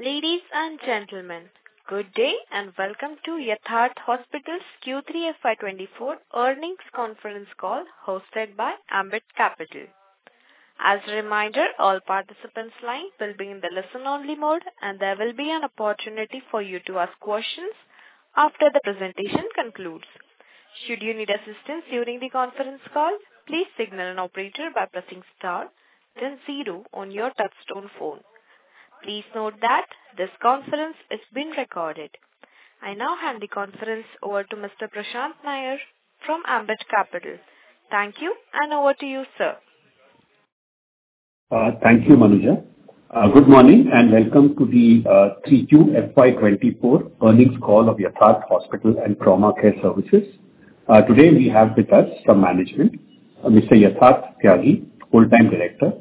Ladies and gentlemen, good day and welcome to Yatharth Hospital's Q3 FY2024 Earnings Conference Call hosted by Ambit Capital. As a reminder, all participants' lines will be in the listen-only mode, and there will be an opportunity for you to ask questions after the presentation concludes. Should you need assistance during the conference call, please signal an operator by pressing star then zero on your touchtone phone. Please note that this conference is being recorded. I now hand the conference over to Mr. Prashant Nair from Ambit Capital. Thank you, and over to you, sir. Thank you, Manuja. Good morning and welcome to the Q3 FY2024 Earnings Call of Yatharth Hospital & Trauma Care Services. Today we have with us from management: Mr. Yatharth Tyagi, full-time Director;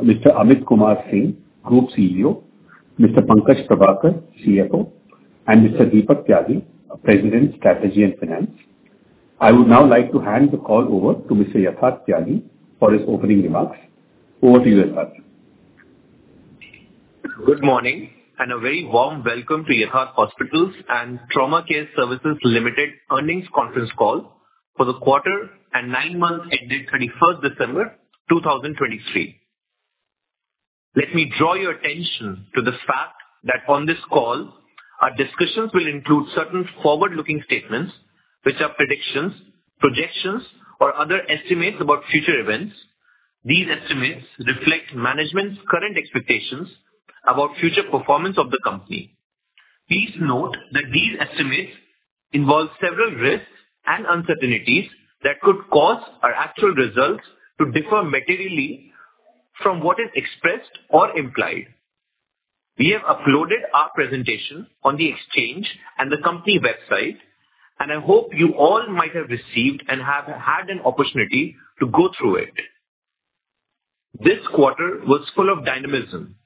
Mr. Amit Kumar Singh, Group CEO; Mr. Pankaj Prabhakar, CFO; and Mr. Deepak Tyagi, President, Strategy and Finance. I would now like to hand the call over to Mr. Yatharth Tyagi for his opening remarks. Over to you, Yatharth. Good morning and a very warm welcome to Yatharth Hospital & Trauma Care Services Limited Earnings Conference Call for the quarter and nine months ending December 31, 2023. Let me draw your attention to the fact that on this call, our discussions will include certain forward-looking statements which are predictions, projections, or other estimates about future events. These estimates reflect management's current expectations about future performance of the company. Please note that these estimates involve several risks and uncertainties that could cause our actual results to differ materially from what is expressed or implied. We have uploaded our presentation on the Exchange and the company website, and I hope you all might have received and have had an opportunity to go through it. This quarter was full of dynamism,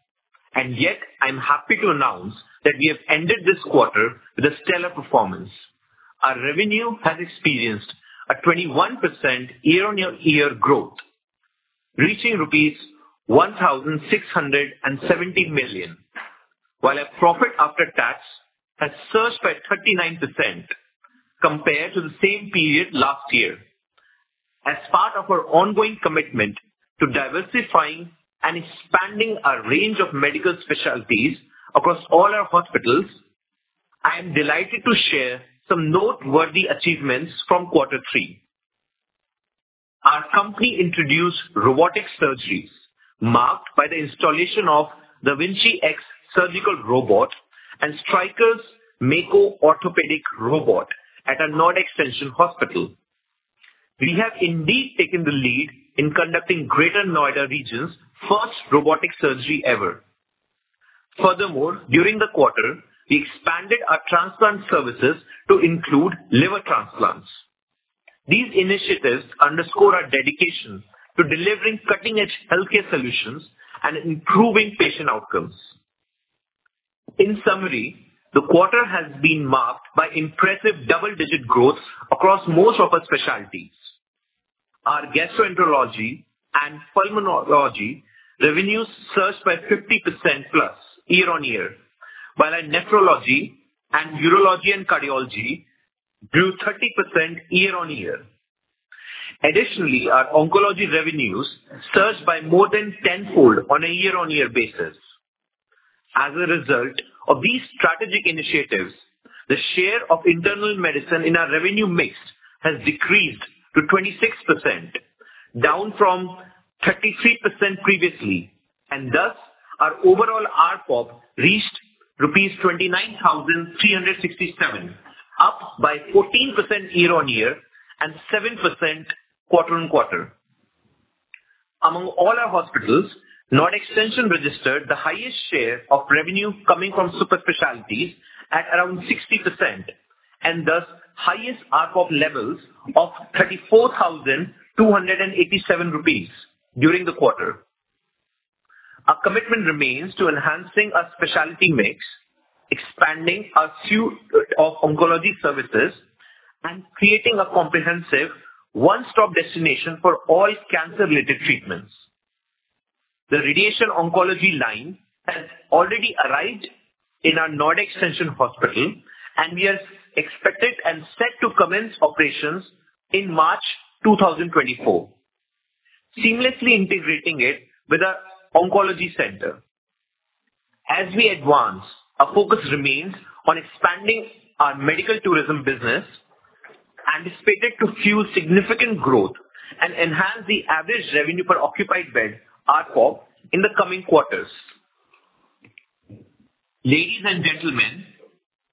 and yet I'm happy to announce that we have ended this quarter with a stellar performance. Our revenue has experienced a 21% year-on-year growth, reaching rupees 1,670 million, while our profit after tax has surged by 39% compared to the same period last year. As part of our ongoing commitment to diversifying and expanding our range of medical specialties across all our hospitals, I am delighted to share some noteworthy achievements from quarter three. Our company introduced robotic surgeries marked by the installation of the da Vinci X surgical robot and Stryker's Mako orthopedic robot at a Noida Extension Hospital. We have indeed taken the lead in conducting Greater Noida region's first robotic surgery ever. Furthermore, during the quarter, we expanded our transplant services to include liver transplants. These initiatives underscore our dedication to delivering cutting-edge healthcare solutions and improving patient outcomes. In summary, the quarter has been marked by impressive double-digit growth across most of our specialties. Our gastroenterology and pulmonology revenues surged by 50%+ year-on-year, while our nephrology and urology and cardiology grew 30% year-on-year. Additionally, our oncology revenues surged by more than tenfold on a year-on-year basis. As a result of these strategic initiatives, the share of internal medicine in our revenue mix has decreased to 26%, down from 33% previously, and thus our overall ARPOB reached rupees 29,367, up by 14% year-on-year and 7% quarter-on-quarter. Among all our hospitals, Noida Extension registered the highest share of revenue coming from super specialties at around 60% and thus highest ARPOB levels of 34,287 rupees during the quarter. Our commitment remains to enhancing our specialty mix, expanding our few oncology services, and creating a comprehensive one-stop destination for all cancer-related treatments. The radiation oncology line has already arrived in our Noida Extension Hospital, and we are expected and set to commence operations in March 2024, seamlessly integrating it with our oncology center. As we advance, our focus remains on expanding our medical tourism business, anticipated to fuel significant growth and enhance the average revenue per occupied bed (ARPOB) in the coming quarters. Ladies and gentlemen,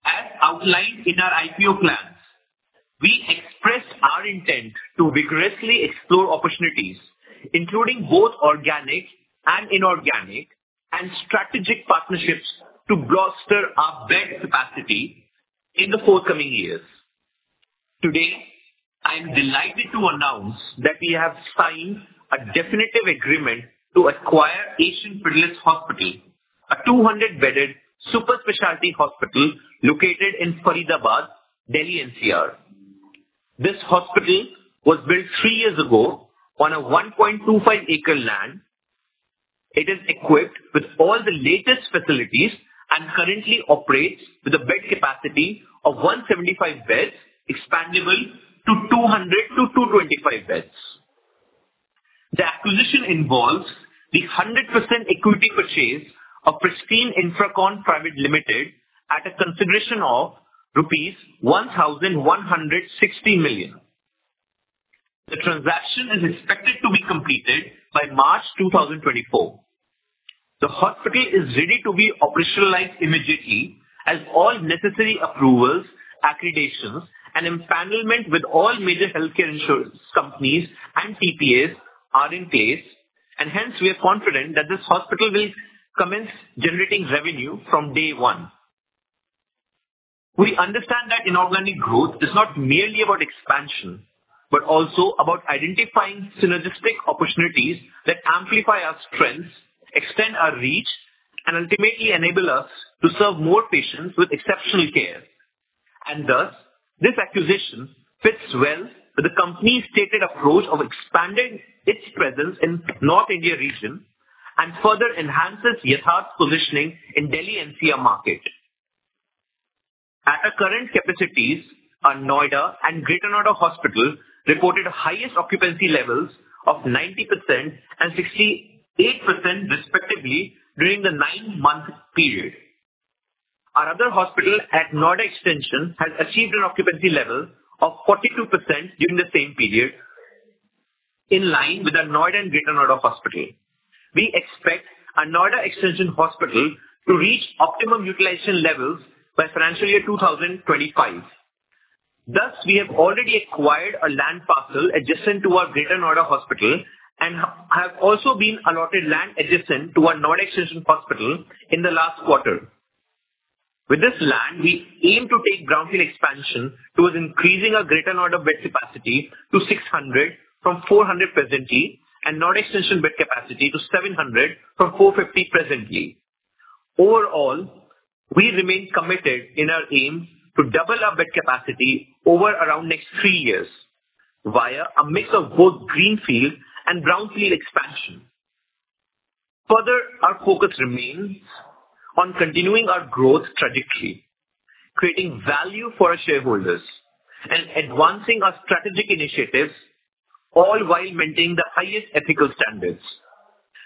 as outlined in our IPO plans, we express our intent to vigorously explore opportunities, including both organic and inorganic, and strategic partnerships to bolster our bed capacity in the forthcoming years. Today, I am delighted to announce that we have signed a definitive agreement to acquire Asian Fidelis Hospital, a 200-bedded super specialty hospital located in Faridabad, Delhi NCR. This hospital was built three years ago on 1.25-acre land. It is equipped with all the latest facilities and currently operates with a bed capacity of 175 beds, expandable to 200-225 beds. The acquisition involves the 100% equity purchase of Pristine Infracon Private Limited at a consideration of rupees 1,160 million. The transaction is expected to be completed by March 2024. The hospital is ready to be operationalized immediately as all necessary approvals, accreditations, and empanelment with all major healthcare insurance companies and TPAs are in place, and hence we are confident that this hospital will commence generating revenue from day one. We understand that inorganic growth is not merely about expansion but also about identifying synergistic opportunities that amplify our strengths, extend our reach, and ultimately enable us to serve more patients with exceptional care. And thus, this acquisition fits well with the company's stated approach of expanding its presence in the North India region and further enhances Yatharth's positioning in the Delhi NCR market. At our current capacities, our Noida and Greater Noida hospital reported highest occupancy levels of 90% and 68% respectively during the nine-month period. Our other hospital at Noida Extension has achieved an occupancy level of 42% during the same period, in line with our Noida and Greater Noida hospital. We expect our Noida Extension hospital to reach optimum utilization levels by financial year 2025. Thus, we have already acquired a land parcel adjacent to our Greater Noida hospital and have also been allotted land adjacent to our Noida Extension Hospital in the last quarter. With this land, we aim to take Brownfield expansion towards increasing our Greater Noida bed capacity to 600 from 400 presently and Noida Extension bed capacity to 700 from 450 presently. Overall, we remain committed in our aim to double our bed capacity over around next three years via a mix of both Greenfield and Brownfield expansion. Further, our focus remains on continuing our growth trajectory, creating value for our shareholders, and advancing our strategic initiatives, all while maintaining the highest ethical standards.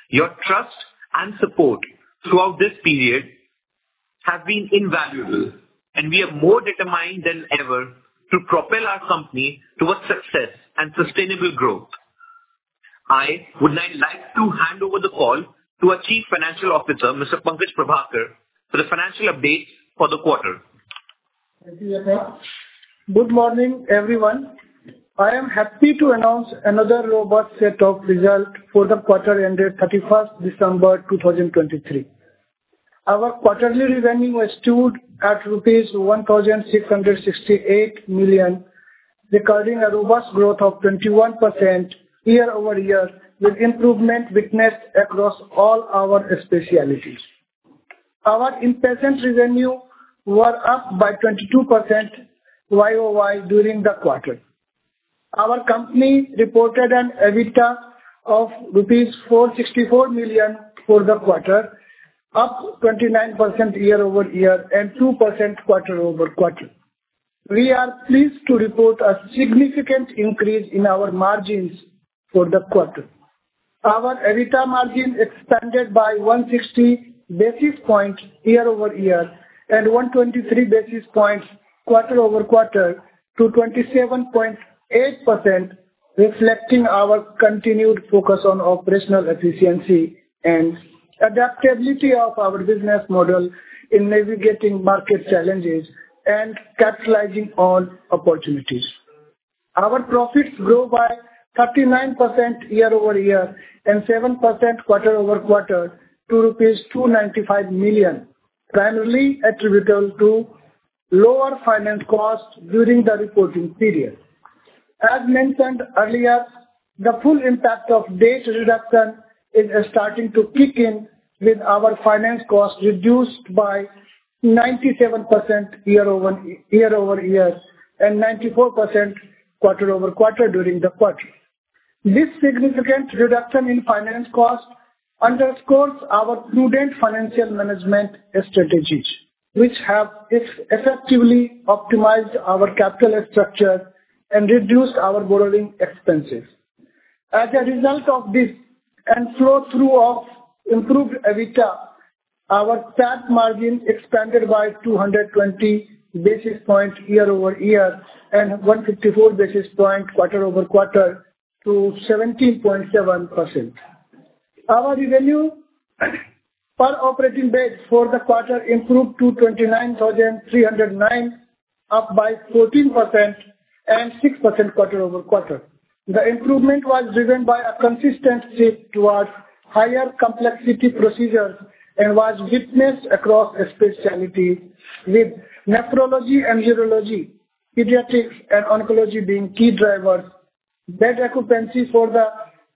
Your trust and support throughout this period have been invaluable, and we are more determined than ever to propel our company towards success and sustainable growth. I would now like to hand over the call to our Chief Financial Officer, Mr. Pankaj Prabhakar, for the financial updates for the quarter. Thank you, Yatharth. Good morning, everyone. I am happy to announce another robust set of results for the quarter ending December 31, 2023. Our quarterly revenue has stood at rupees 1,668 million, recording a robust growth of 21% year-over-year with improvement witnessed across all our specialties. Our in-person revenues were up by 22% year-over-year during the quarter. Our company reported an EBITDA of 464 million rupees for the quarter, up 29% year-over-year and 2% quarter-over-quarter. We are pleased to report a significant increase in our margins for the quarter. Our EBITDA margin expanded by 160 basis points year-over-year and 123 basis points quarter-over-quarter to 27.8%, reflecting our continued focus on operational efficiency and adaptability of our business model in navigating market challenges and capitalizing on opportunities. Our profits grew by 39% year-over-year and 7% quarter-over-quarter to rupees 295 million, primarily attributable to lower finance costs during the reporting period. As mentioned earlier, the full impact of debt reduction is starting to kick in with our finance costs reduced by 97% year-over-year and 94% quarter-over-quarter during the quarter. This significant reduction in finance costs underscores our prudent financial management strategies, which have effectively optimized our capital structure and reduced our borrowing expenses. As a result of this and flow-through of improved EBITDA, our PAT margin expanded by 220 basis points year-over-year and 154 basis points quarter-over-quarter to 17.7%. Our revenue per operating bed for the quarter improved to 29,309, up by 14% and 6% quarter-over-quarter. The improvement was driven by a consistent shift towards higher complexity procedures and was witnessed across specialties, with nephrology and urology, pediatrics, and oncology being key drivers. Bed occupancy for the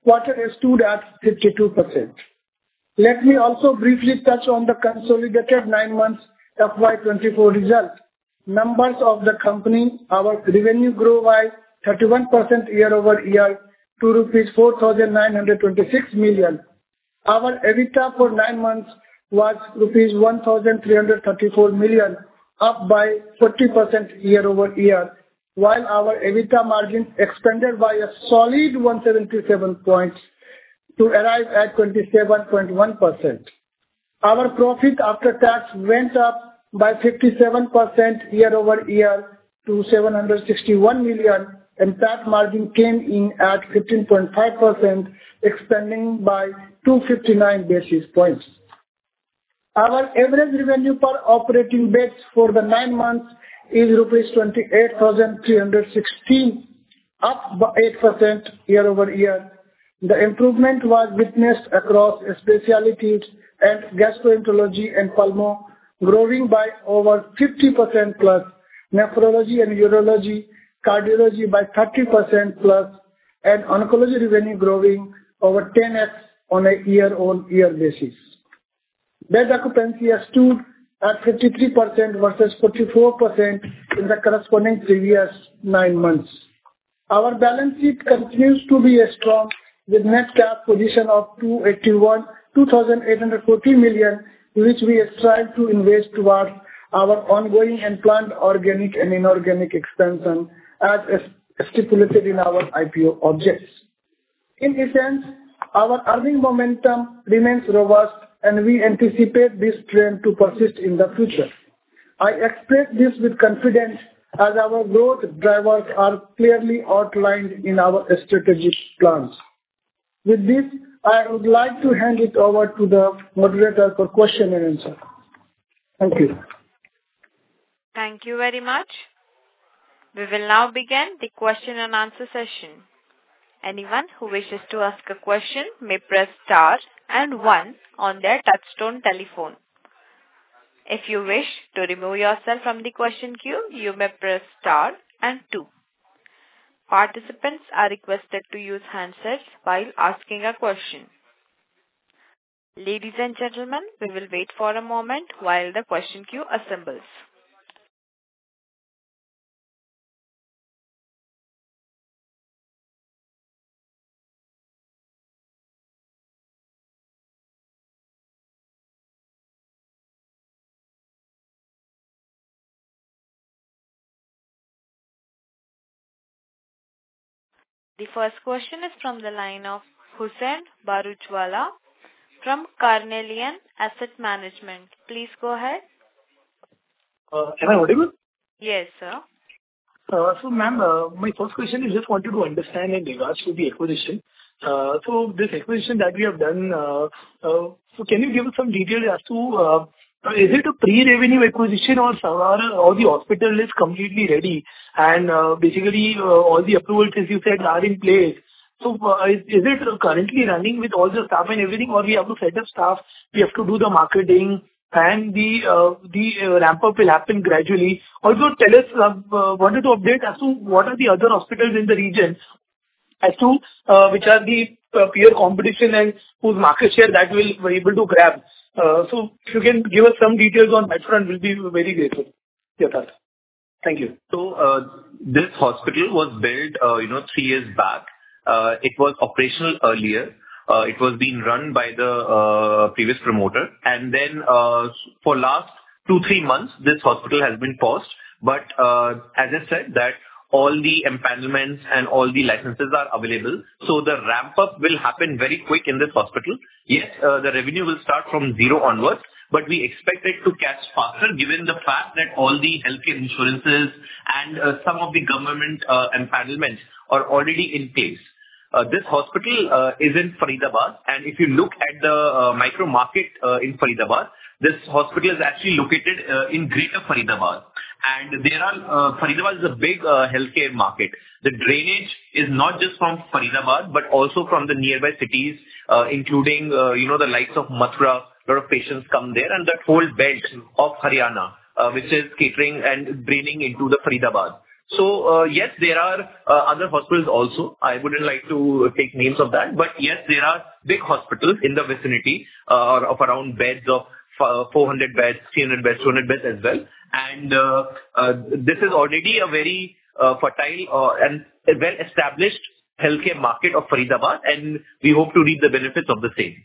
quarter stood at 52%. Let me also briefly touch on the consolidated nine-month FY 2024 result. Numbers of the company: our revenue grew by 31% year-over-year to rupees 4,926 million. Our EBITDA for nine months was rupees 1,334 million, up by 40% year-over-year, while our EBITDA margin expanded by a solid 177 points to arrive at 27.1%. Our profit after tax went up by 57% year-over-year to 761 million, and TAT margin came in at 15.5%, expanding by 259 basis points. Our average revenue per operating bed for the nine months is rupees 28,316, up by 8% year-over-year. The improvement was witnessed across specialties and gastroenterology and pulmonology, growing by over 50%+. Nephrology and urology, cardiology by 30%+. And oncology revenue growing over 10x on a year-on-year basis. Bed occupancy has stood at 53% versus 44% in the corresponding previous nine months. Our balance sheet continues to be strong, with net cash position of 2,840 million, which we strive to invest towards our ongoing and planned organic and inorganic expansion as stipulated in our IPO objectives. In essence, our earning momentum remains robust, and we anticipate this trend to persist in the future. I express this with confidence as our growth drivers are clearly outlined in our strategic plans. With this, I would like to hand it over to the moderator for questions and answers. Thank you. Thank you very much. We will now begin the question-and-answer session. Anyone who wishes to ask a question may press star and one on their touch-tone telephone. If you wish to remove yourself from the question queue, you may press star and two. Participants are requested to use handsets while asking a question. Ladies and gentlemen, we will wait for a moment while the question queue assembles. The first question is from the line of Huseain Bharuchwala from Carnelian Asset Management. Please go ahead. Am I audible? Yes, sir. So, ma'am, my first question is just wanted to understand in regards to the acquisition. So this acquisition that we have done, can you give us some details as to is it a pre-revenue acquisition or the hospital is completely ready and basically all the approvals, as you said, are in place? So is it currently running with all the staff and everything, or we have to set up staff? We have to do the marketing, and the ramp-up will happen gradually? Also, tell us, I wanted to update as to what are the other hospitals in the region which are the peer competition and whose market share that we'll be able to grab? So if you can give us some details on that front, we'll be very grateful, Yatharth. Thank you. So this hospital was built three years back. It was operational earlier. It was being run by the previous promoter. And then for the last two, three months, this hospital has been paused. But as I said, all the empanelments and all the licenses are available. So the ramp-up will happen very quick in this hospital. Yes, the revenue will start from zero onwards, but we expect it to catch faster given the fact that all the healthcare insurances and some of the government empanelments are already in place. This hospital is in Faridabad. And if you look at the micro-market in Faridabad, this hospital is actually located in Greater Faridabad. And Faridabad is a big healthcare market. The drainage is not just from Faridabad but also from the nearby cities, including the likes of Mathura. A lot of patients come there and that whole belt of Haryana, which is catering and draining into Faridabad. So yes, there are other hospitals also. I wouldn't like to take names of that. But yes, there are big hospitals in the vicinity of around beds of 400 beds, 300 beds, 200 beds as well. And this is already a very fertile and well-established healthcare market of Faridabad, and we hope to reap the benefits of the same.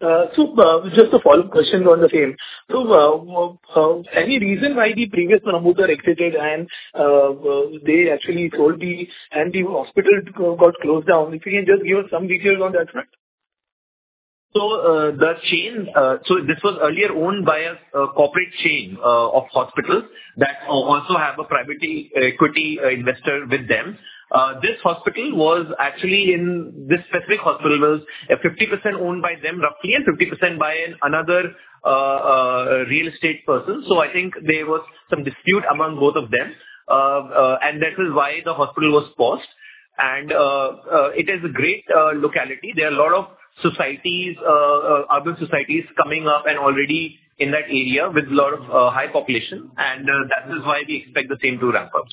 Just a follow-up question on the same. Any reason why the previous promoter exited and they actually sold the and the hospital got closed down? If you can just give us some details on that front. This was earlier owned by a corporate chain of hospitals that also have a private equity investor with them. This hospital was actually. In this specific hospital was 50% owned by them roughly and 50% by another real estate person. I think there was some dispute among both of them, and that is why the hospital was paused. It is a great locality. There are a lot of urban societies coming up and already in that area with a lot of high population, and that is why we expect the same to ramp up.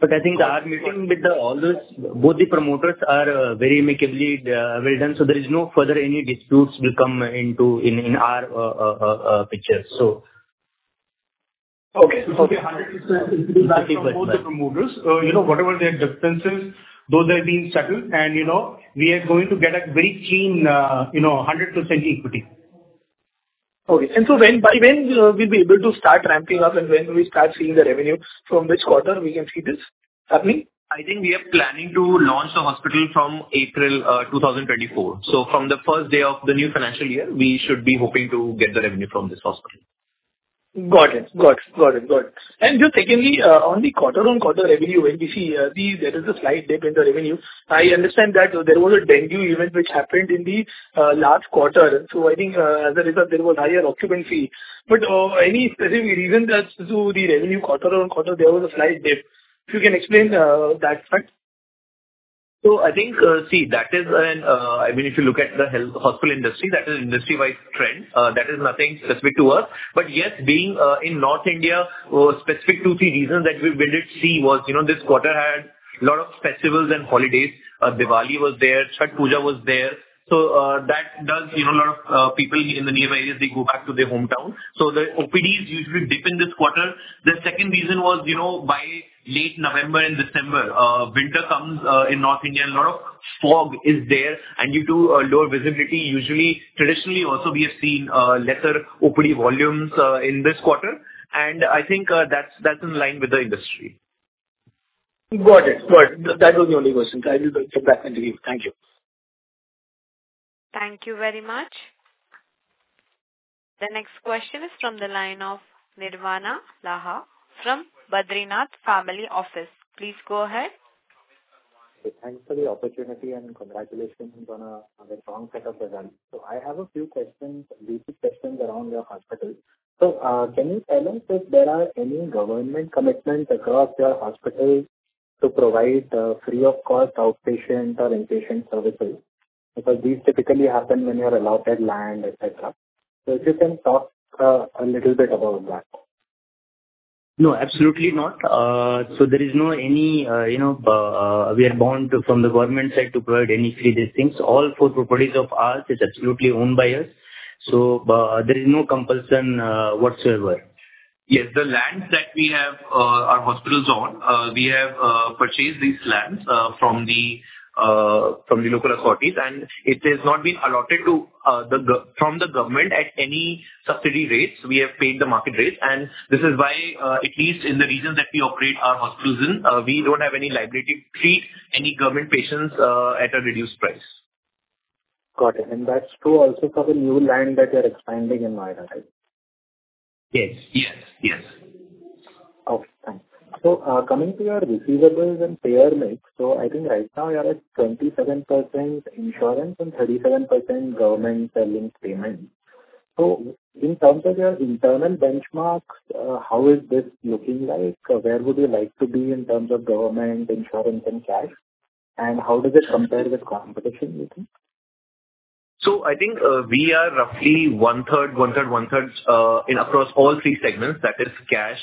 But I think our meeting with all those, both the promoters, are very amicably well done, so there is no further any disputes will come into our picture, so. Okay. So 100% equity back to both the promoters. Whatever their differences, those have been settled, and we are going to get a very clean 100% equity. Okay. And so by when will we be able to start ramping up, and when will we start seeing the revenue? From which quarter we can see this happening? I think we are planning to launch the hospital from April 2024. So from the first day of the new financial year, we should be hoping to get the revenue from this hospital. Got it. Got it. Got it. Got it. And just secondly, on the quarter-on-quarter revenue, when we see there is a slight dip in the revenue, I understand that there was a dengue event which happened in the last quarter. So I think as a result, there was higher occupancy. But any specific reason as to the revenue quarter-on-quarter, there was a slight dip? If you can explain that fact. So I think, see, that is, I mean, if you look at the hospital industry, that is an industry-wide trend. That is nothing specific to us. But yes, being in North India, specific two, three reasons that we did see was this quarter had a lot of festivals and holidays. Diwali was there. Chhath Puja was there. So that does a lot of people in the nearby areas, they go back to their hometown. So the OPDs usually dip in this quarter. The second reason was by late November and December, winter comes in North India, and a lot of fog is there, and due to lower visibility, usually traditionally also, we have seen lesser OPD volumes in this quarter. And I think that's in line with the industry. Got it. Got it. That was the only question. I will get back to you. Thank you. Thank you very much. The next question is from the line of Nirvana Laha from Badrinath Family Office. Please go ahead. Thanks for the opportunity, and congratulations on a strong set of results. So I have a few questions, basic questions around your hospital. So can you tell us if there are any government commitments across your hospital to provide free-of-cost outpatient or inpatient services? Because these typically happen when you're allotted land, etc. So if you can talk a little bit about that. No, absolutely not. So there is no any we are bound from the government side to provide any free of these things. All four properties of ours are absolutely owned by us. So there is no compulsion whatsoever. Yes, the lands that our hospitals own, we have purchased these lands from the local authorities, and it has not been allotted from the government at any subsidy rates. We have paid the market rates. And this is why, at least in the regions that we operate our hospitals in, we don't have any liability to treat any government patients at a reduced price. Got it. That's true also for the new land that you're expanding in Noida, right? Yes. Yes. Yes. Okay. Thanks. So coming to your receivables and payer mix, so I think right now you're at 27% insurance and 37% government-selling payments. So in terms of your internal benchmarks, how is this looking like? Where would you like to be in terms of government, insurance, and cash? And how does it compare with competition, do you think? So I think we are roughly one-third, one-third, one-third across all three segments. That is cash,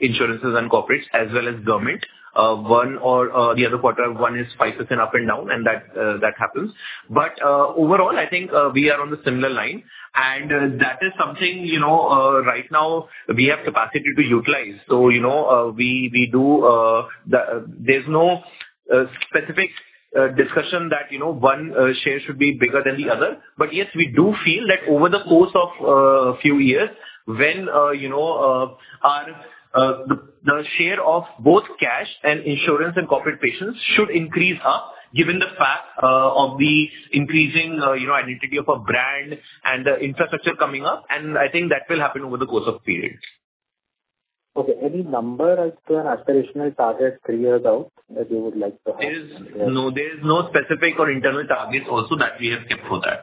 insurances, and corporates, as well as government. One or the other quarter, one is 5% up and down, and that happens. But overall, I think we are on the similar line. And that is something right now we have capacity to utilize. So we do. There's no specific discussion that one share should be bigger than the other. But yes, we do feel that over the course of a few years, when the share of both cash and insurance and corporate patients should increase up given the fact of the increasing identity of a brand and the infrastructure coming up. And I think that will happen over the course of periods. Okay. Any number as to an aspirational target three years out that you would like to have? No, there is no specific or internal targets also that we have kept for that.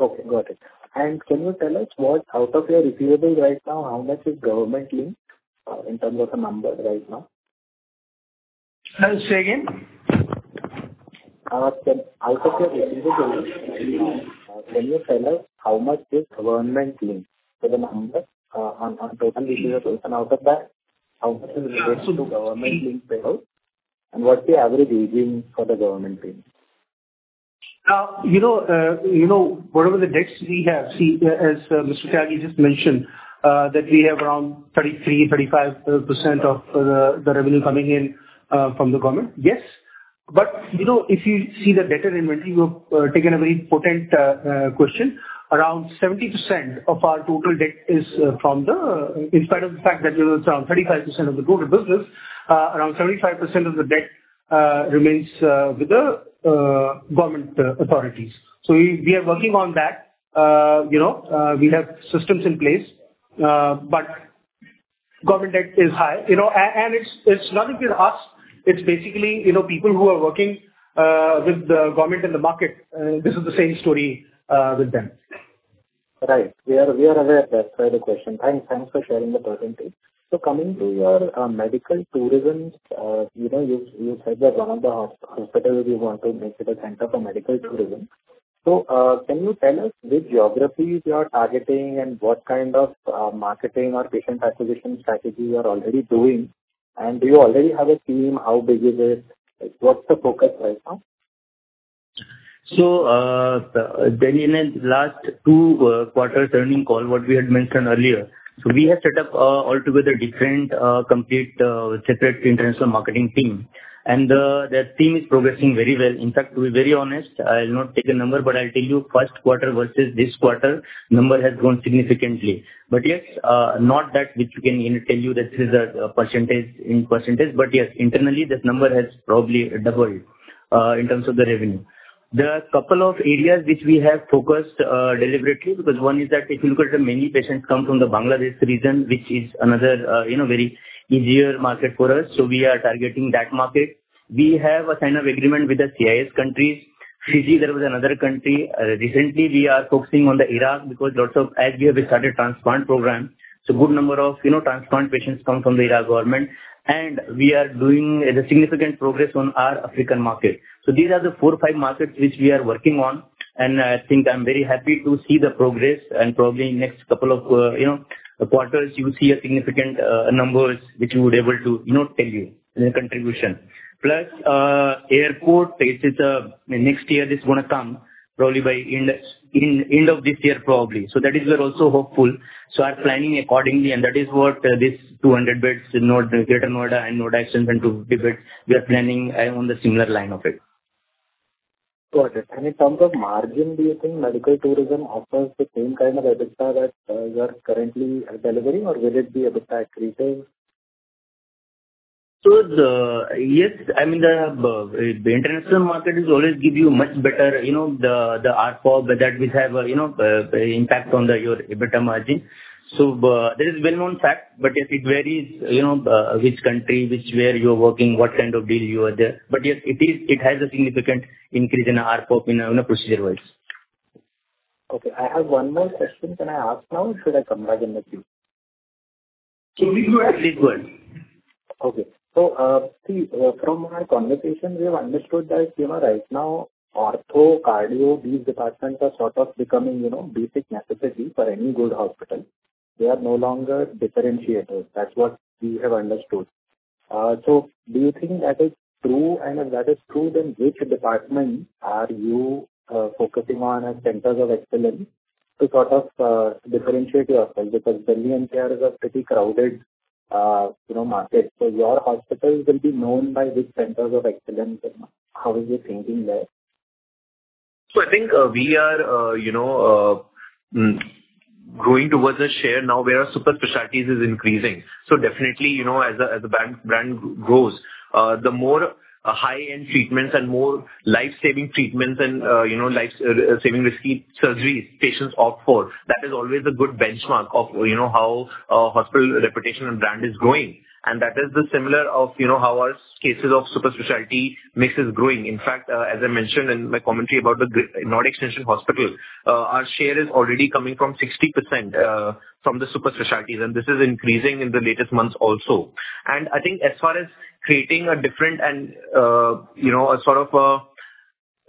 Okay. Got it. Can you tell us what, out of your receivables right now, how much is government-linked in terms of the number right now? Say again? Out of your receivables, can you tell us how much is government-linked? So the number on total receivables, and out of that, how much is related to government-linked payouts? And what's the average aging for the government payments? Whatever the debts we have, see, as Mr. Tyagi just mentioned, that we have around 33%-35% of the revenue coming in from the government, yes. But if you see the debtor inventory, you have taken a very potent question. Around 70% of our total debt is from the in spite of the fact that it's around 35% of the total business, around 75% of the debt remains with the government authorities. So we are working on that. We have systems in place, but government debt is high. And it's not even us. It's basically people who are working with the government and the market. This is the same story with them. Right. We are aware of that. Sorry to question. Thanks for sharing the perspective. So coming to your medical tourism, you said that one of the hospitals you want to make it a center for medical tourism. So can you tell us which geographies you are targeting and what kind of marketing or patient acquisition strategy you are already doing? And do you already have a team? How big is it? What's the focus right now? So then in the last two quarters earnings call, what we had mentioned earlier, so we have set up altogether a complete separate international marketing team. And that team is progressing very well. In fact, to be very honest, I'll not take a number, but I'll tell you first quarter versus this quarter, number has grown significantly. But yes, not that which you can tell you that this is a percentage in percentage. But yes, internally, that number has probably doubled in terms of the revenue. The couple of areas which we have focused deliberately because one is that if you look at it, many patients come from the Bangladesh region, which is another very easier market for us. So we are targeting that market. We have a sign-up agreement with the CIS countries. Fiji, there was another country. Recently, we are focusing on Iraq because lots of, as we have started transplant programs, so a good number of transplant patients come from the Iraq government. And we are doing significant progress on our African market. So these are the four, five markets which we are working on. And I think I'm very happy to see the progress. And probably in the next couple of quarters, you'll see significant numbers which we would be able to tell you in the contribution. Plus, airport, next year, this is going to come probably by end of this year, probably. So that is where also hopeful. So we are planning accordingly. And that is what these 200 beds, Greater Noida and Noida Extension [to Tibet], we are planning on the similar line of it. Got it. In terms of margin, do you think medical tourism offers the same kind of EBITDA that you are currently delivering, or will it be EBITDA accretive? So yes. I mean, the international market will always give you much better the ARPOB that will have impact on your EBITDA margin. So that is a well-known fact. But yes, it varies which country, which where you are working, what kind of deal you are there. But yes, it has a significant increase in ARPOB in a procedure-wise. Okay. I have one more question. Can I ask now, or should I come back in the queue? Please go ahead. Please go ahead. Okay. So see, from our conversation, we have understood that right now, ortho-cardio, these departments are sort of becoming basic necessity for any good hospital. They are no longer differentiated. That's what we have understood. So do you think that is true? And if that is true, then which departments are you focusing on as centers of excellence to sort of differentiate yourself? Because Delhi NCR is a pretty crowded market. So your hospitals will be known by which centers of excellence. How is your thinking there? So I think we are growing towards a share now where our super specialties are increasing. So definitely, as a brand grows, the more high-end treatments and more life-saving treatments and life-saving risky surgeries patients opt for, that is always a good benchmark of how a hospital reputation and brand is growing. And that is similar to how our cases of super specialty mix is growing. In fact, as I mentioned in my commentary about the Noida Extension Hospital, our share is already coming from 60% from the super specialties. And this is increasing in the latest months also. And I think as far as creating a different and sort of a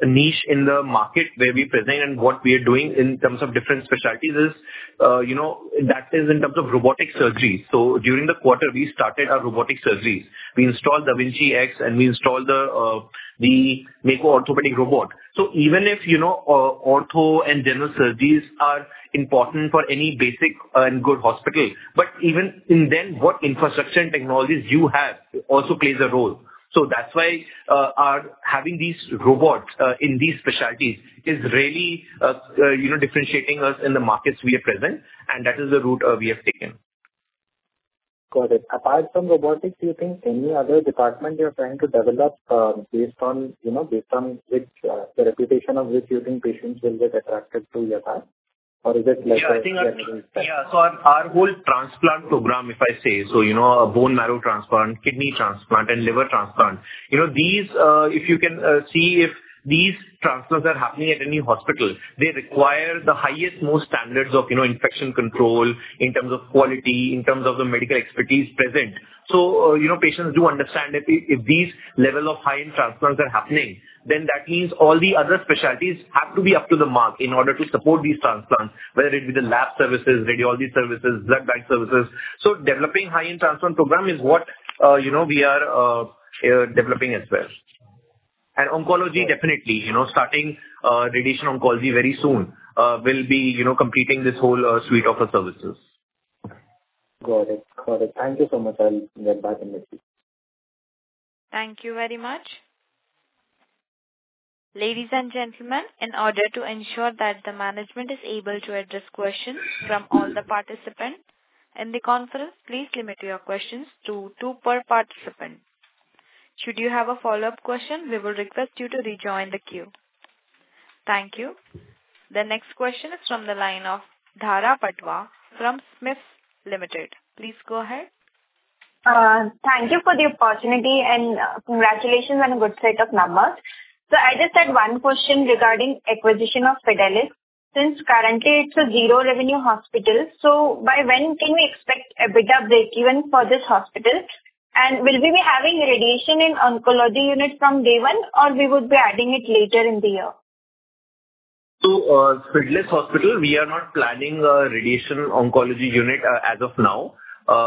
niche in the market where we present and what we are doing in terms of different specialties is that is in terms of robotic surgeries. So during the quarter, we started our robotic surgeries. We installed da Vinci X, and we installed the Mako orthopedic robot. So even if ortho and general surgeries are important for any basic and good hospital, but even then, what infrastructure and technologies you have also plays a role. So that's why having these robots in these specialties is really differentiating us in the markets we are present. And that is the route we have taken. Got it. Apart from robotics, do you think any other department you're trying to develop based on the reputation of which you think patients will get attracted to Yatharth? Or is it like a general spec? Yeah. So our whole transplant program, if I say, so bone marrow transplant, kidney transplant, and liver transplant, if you can see if these transplants are happening at any hospital, they require the highest, most standards of infection control in terms of quality, in terms of the medical expertise present. So patients do understand if these levels of high-end transplants are happening, then that means all the other specialties have to be up to the mark in order to support these transplants, whether it be the lab services, radiology services, blood bank services. So developing high-end transplant program is what we are developing as well. And Oncology, definitely, starting Radiation Oncology very soon will be completing this whole suite of services. Got it. Got it. Thank you so much. I'll get back in the queue. Thank you very much. Ladies and gentlemen, in order to ensure that the management is able to address questions from all the participants in the conference, please limit your questions to two per participant. Should you have a follow-up question, we will request you to rejoin the queue. Thank you. The next question is from the line of Dhara Patwa from SMIFS Limited. Please go ahead. Thank you for the opportunity, and congratulations, and a good set of numbers. So I just had one question regarding acquisition of Fidelis. Since currently, it's a zero-revenue hospital, so by when can we expect a bit of break-even for this hospital? And will we be having radiation and oncology unit from day one, or we would be adding it later in the year? Fidelis Hospital, we are not planning a Radiation Oncology unit as of now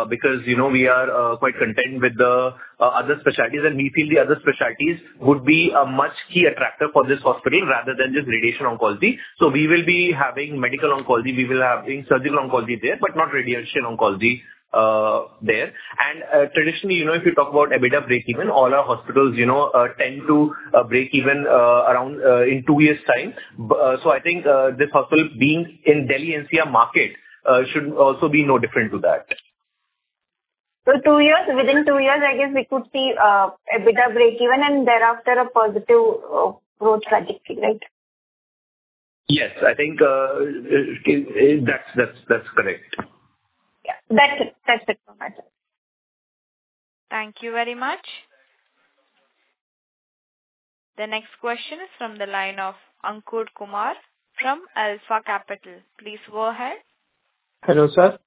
because we are quite content with the other specialties. We feel the other specialties would be a much key attractor for this hospital rather than just Radiation Oncology. We will be having Medical Oncology. We will be having Surgical Oncology there, but not Radiation Oncology there. Traditionally, if you talk about a bit of break-even, all our hospitals tend to break-even in two years' time. I think this hospital being in Delhi and NCR market should also be no different to that. Within two years, I guess we could see a bit of break-even and thereafter a positive approach trajectory, right? Yes. I think that's correct. Yeah. That's it from my side. Thank you very much. The next question is from the line of Ankur Kumar from Alpha Capital. Please go ahead. Hello, sir.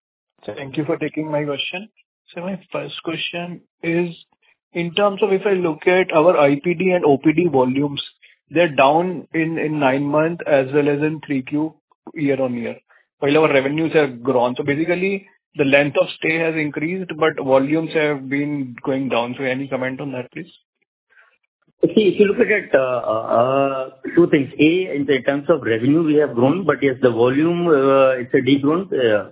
Thank you for taking my question. So my first question is, in terms of if I look at our IPD and OPD volumes, they're down in nine months as well as in Q3 year-on-year. While our revenues have grown. So basically, the length of stay has increased, but volumes have been going down. So any comment on that, please? See, if you look at it, two things. A, in terms of revenue, we have grown. But yes, the volume, it's a degrowth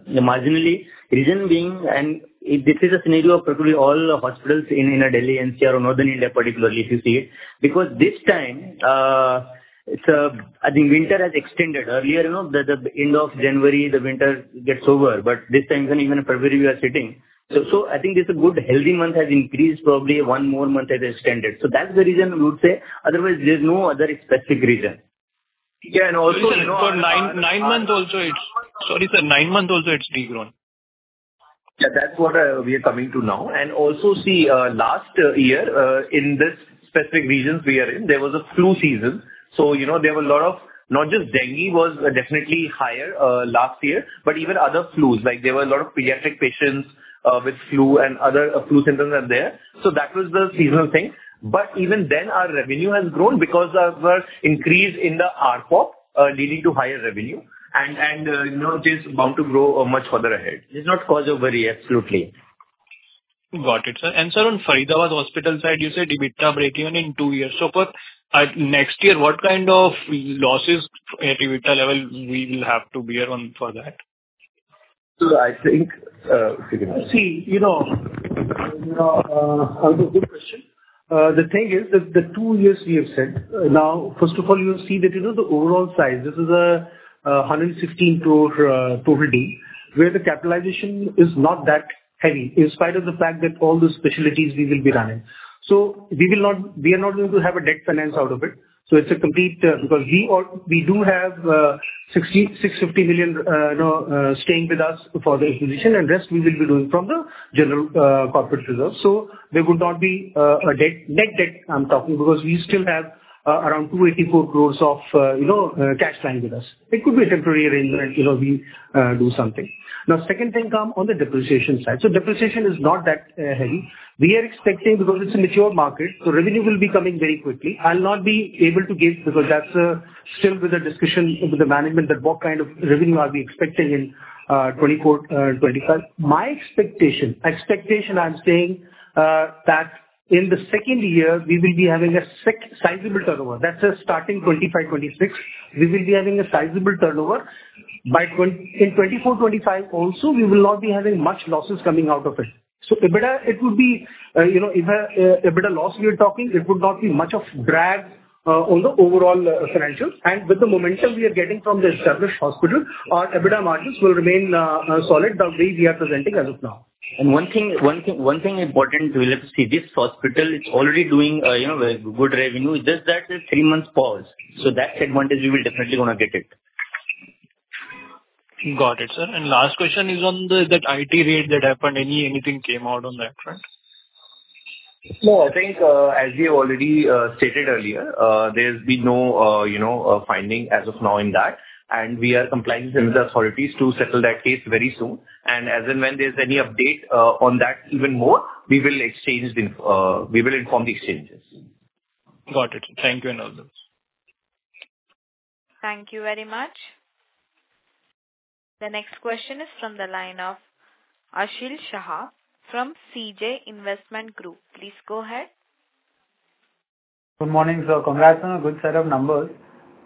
marginally. Reason being, and this is a scenario of probably all hospitals in Delhi NCR or North India particularly, if you see it, because this time, I think winter has extended. Earlier, the end of January, the winter gets over. But this time, even in February, we are sitting. So I think this good, healthy month has increased. Probably one more month has extended. So that's the reason we would say. Otherwise, there's no other specific reason. Yeah. And also. So, nine months also, it's—sorry, sir. Nine months also, it's degrown. Yeah. That's what we are coming to now. And also, see, last year, in this specific region we are in, there was a flu season. So there were a lot of not just dengue was definitely higher last year, but even other flus. There were a lot of pediatric patients with flu and other flu symptoms are there. So that was the seasonal thing. But even then, our revenue has grown because our increase in the ARPOB leading to higher revenue. And it is bound to grow much further ahead. It's not cause of worry, absolutely. Got it, sir. And sir, on Faridabad Hospital side, you said EBITDA break-even in two years. So for next year, what kind of losses at EBITDA level we will have to bear for that? I think. See, Ankur, good question. The thing is that the two years we have said now, first of all, you'll see that the overall size, this is a 116 total bed where the capitalization is not that heavy in spite of the fact that all the specialties we will be running. So we are not going to have a debt finance out of it. So it's a complete because we do have 650 million staying with us for the acquisition, and the rest we will be doing from the general corporate reserves. So there would not be a net debt I'm talking because we still have around 284 crore of cash lying with us. It could be a temporary arrangement. We do something. Now, second thing come on the depreciation side. So depreciation is not that heavy. We are expecting because it's a mature market, the revenue will be coming very quickly. I'll not be able to give because that's still with a discussion with the management that what kind of revenue are we expecting in 2024, 2025. My expectation, I'm saying that in the second year, we will be having a sizable turnover. That's starting 2025, 2026. We will be having a sizable turnover. In 2024, 2025 also, we will not be having much losses coming out of it. So EBITDA, it would be if EBITDA loss we are talking, it would not be much of drag on the overall financials. And with the momentum we are getting from the established hospital, our EBITDA margins will remain solid the way we are presenting as of now. One thing important to see, this hospital, it's already doing good revenue. It's just that three months pause. That's the advantage we will definitely going to get it. Got it, sir. Last question is on that IT rate that happened. Anything came out on that front? No. I think as we have already stated earlier, there has been no finding as of now in that. We are in compliance with the authorities to settle that case very soon. As and when there's any update on that, we will inform the exchanges. Got it. Thank you and all those. Thank you very much. The next question is from the line of Aashil Shah from CJ Investment Group. Please go ahead. Good morning, sir. Congrats on a good set of numbers.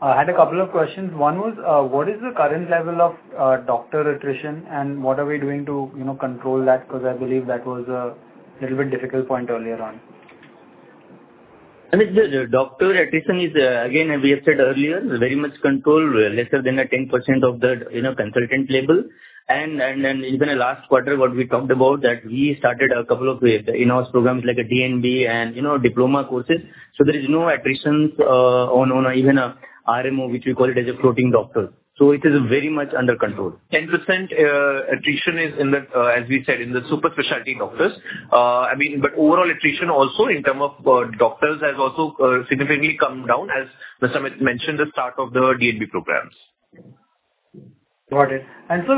I had a couple of questions. One was, what is the current level of doctor attrition, and what are we doing to control that? Because I believe that was a little bit difficult point earlier on. I mean, doctor attrition is, again, as we have said earlier, very much controlled, less than 10% at the consultant level. And then even in the last quarter, what we talked about, that we started a couple of in-house programs like a DNB and diploma courses. So there is no attrition on even an RMO, which we call it as a floating doctor. So it is very much under control. 10% attrition is, as we said, in the super specialty doctors. I mean, but overall attrition also in terms of doctors has also significantly come down, as Mr. Amit mentioned, the start of the DNB programs. Got it. And sir,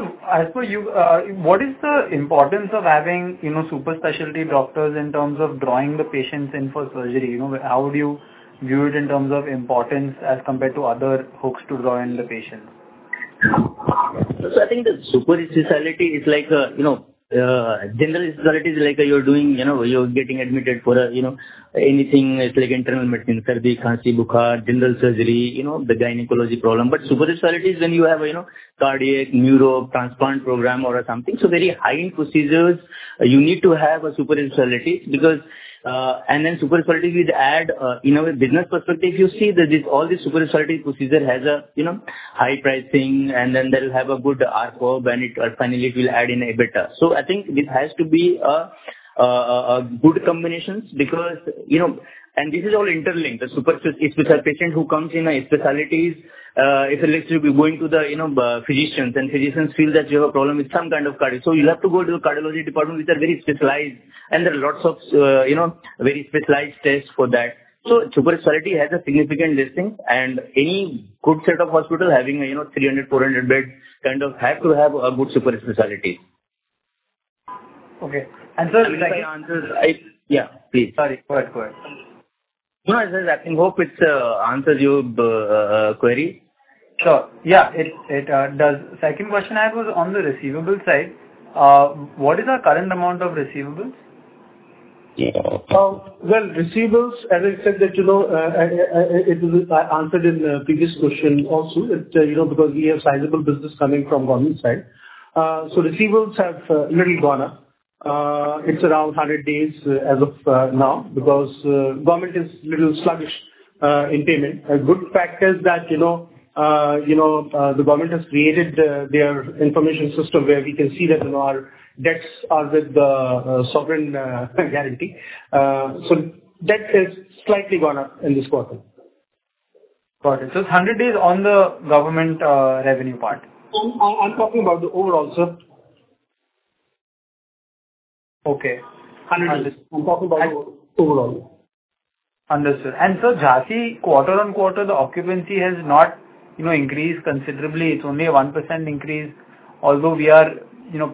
what is the importance of having super specialty doctors in terms of drawing the patients in for surgery? How would you view it in terms of importance as compared to other hooks to draw in the patients? So, I think the super specialty is like a general specialty is like you're doing; you're getting admitted for anything. It's like Internal Medicine, surgery, cancer, general surgery, the gynecology problem. But super specialty is when you have a cardiac, neuro, transplant program, or something. So very high-end procedures, you need to have a super specialty because and then super specialty, we add in a business perspective, you see that all these super specialty procedures has a high pricing, and then they will have a good ARPOB, and finally, it will add in EBITDA. So, I think this has to be a good combination because and this is all interlinked. It's with a patient who comes in a specialties. If it looks like we're going to the physicians, and physicians feel that you have a problem with some kind of cardiac, so you have to go to the cardiology department, which are very specialized, and there are lots of very specialized tests for that. So super specialty has a significant distinct. Any good set of hospital having a 300-400 beds kind of have to have a good super specialty. Okay. And, sir. If I can answer yeah, please. Sorry. Go ahead. Go ahead. I think hope it answers your query. Sure. Yeah. Second question I had was on the receivable side. What is our current amount of receivables? Well, receivables, as I said, that, you know, it was answered in the previous question also because we have sizable business coming from government side. So receivables have a little gone up. It's around 100 days as of now because government is a little sluggish in payment. A good fact is that the government has created their information system where we can see that our debts are with the sovereign guarantee. So debt has slightly gone up in this quarter. Got it. So it's 100 days on the government revenue part. I'm talking about the overall, sir. Okay. 100 days. I'm talking about overall. Understood. Sir, Jhansi, quarter-on-quarter, the occupancy has not increased considerably. It's only a 1% increase, although we are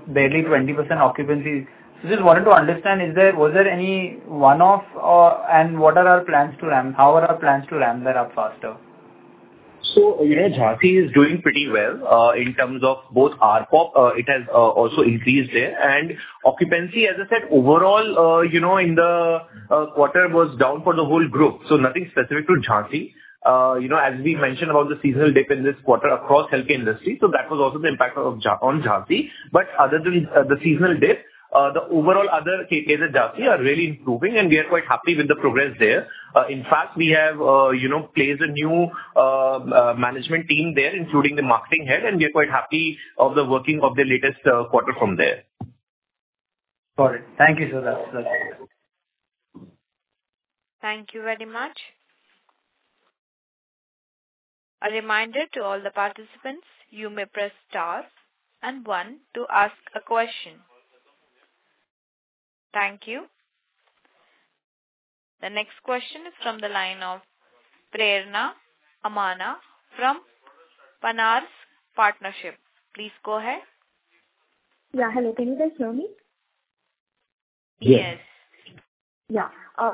barely 20% occupancy. I just wanted to understand, was there any one-off, and what are our plans to ramp? How are our plans to ramp that up faster? So Jhansi is doing pretty well in terms of both ARPOB. It has also increased there. And occupancy, as I said, overall in the quarter was down for the whole group. So nothing specific to Jhansi. As we mentioned about the seasonal dip in this quarter across healthcare industry, so that was also the impact on Jhansi. But other than the seasonal dip, the overall other KPIs at Jhansi are really improving, and we are quite happy of the working of the latest quarter from there. Got it. Thank you, sir. That's good. Thank you very much. A reminder to all the participants, you may press star and one to ask a question. Thank you. The next question is from the line of Prerna from Purnartha Investment Advisory. Please go ahead. Yeah. Hello. Can you guys hear me? Yes. Yeah.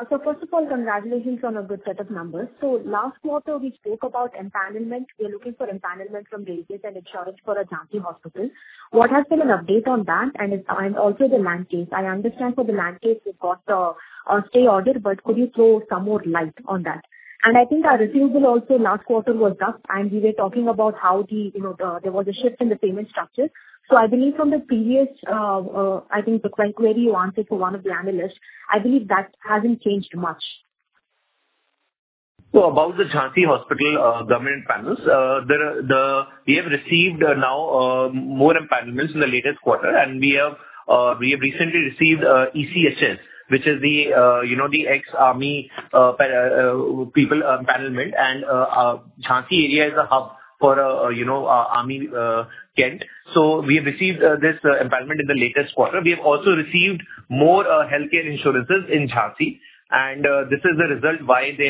So first of all, congratulations on a good set of numbers. So last quarter, we spoke about empanelment. We are looking for empanelment from radiation and insurance for a Jhansi hospital. What has been an update on that and also the land case? I understand for the land case, we've got a stay order, but could you throw some more light on that? And I think our receivable also last quarter was up, and we were talking about how there was a shift in the payment structure. So I believe from the previous I think the query you answered for one of the analysts, I believe that hasn't changed much. Well, about the Jhansi hospital government panels, we have received now more empanelments in the latest quarter, and we have recently received ECHS, which is the ex-Army people empanelment. And Jhansi area is a hub for Army cantonment. So we have received this empanelment in the latest quarter. We have also received more healthcare insurances in Jhansi. And this is the result why we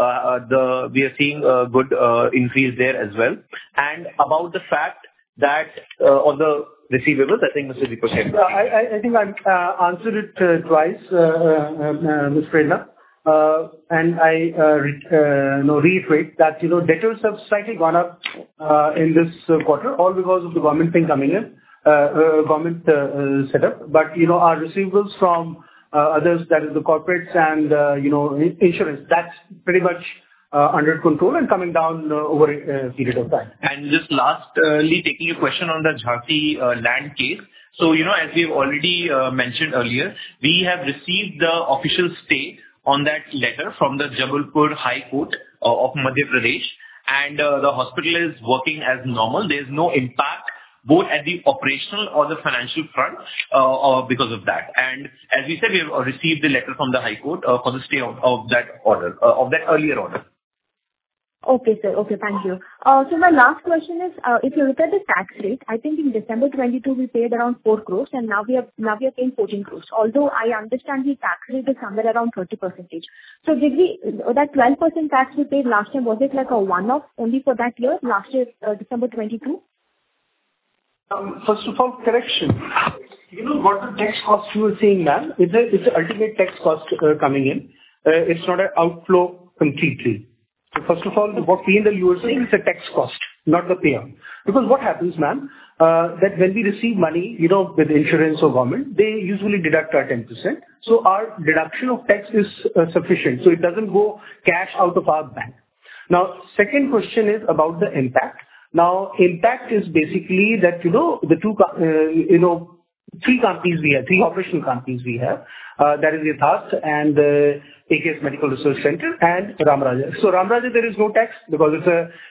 are seeing a good increase there as well. And about the fact that on the receivables, I think Mr. Deepak said. Yeah. I think I've answered it twice, Mr. Prerna. I reiterate that debtors have slightly gone up in this quarter, all because of the government thing coming in, government setup. But our receivables from others, that is, the corporates and insurance, that's pretty much under control and coming down over a period of time. And just lastly, taking a question on the Jhansi land case. So as we have already mentioned earlier, we have received the official stay on that letter from the Jabalpur High Court of Madhya Pradesh. And the hospital is working as normal. There's no impact both at the operational or the financial front because of that. And as we said, we have received the letter from the high court for the stay of that earlier order. Okay, sir. Okay. Thank you. So my last question is, if you look at the tax rate, I think in December 2022, we paid around 4 crore, and now we are paying 14 crore. Although I understand the tax rate is somewhere around 30%. So that 12% tax we paid last time, was it a one-off only for that year, last year, December 2022? First of all, correction. What the tax cost you were saying, ma'am, it's the ultimate tax cost coming in. It's not an outflow completely. So first of all, what we and you are saying is a tax cost, not the payout. Because what happens, ma'am, that when we receive money with insurance or government, they usually deduct our 10%. So our deduction of tax is sufficient. So it doesn't go cash out of our bank. Now, second question is about the impact. Now, impact is basically that the two three companies we have, three operational companies we have, that is, Yatharth and AKS Medical Research Center and Ramraja. So Ramraja, there is no tax because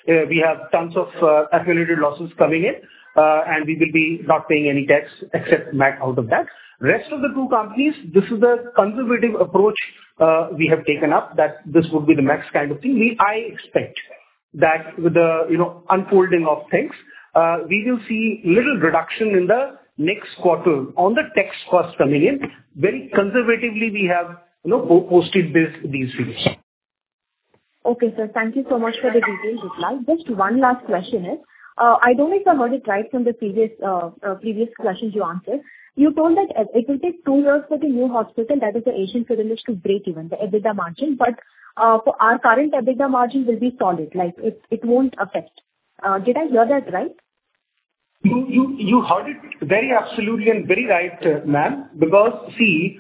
we have tons of accumulated losses coming in, and we will be not paying any tax except MAT out of that. Rest of the two companies, this is the conservative approach we have taken up, that this would be the max kind of thing. I expect that with the unfolding of things, we will see little reduction in the next quarter on the tax cost coming in. Very conservatively, we have posted these figures. Okay, sir. Thank you so much for the details, Yatharth. Just one last question. I don't know if I heard it right from the previous questions you answered. You told that it will take two years for the new hospital, that is, the Asian Fidelis, to break even the EBITDA margin. But for our current EBITDA margin, it will be solid. It won't affect. Did I hear that right? You heard it very absolutely and very right, ma'am, because see,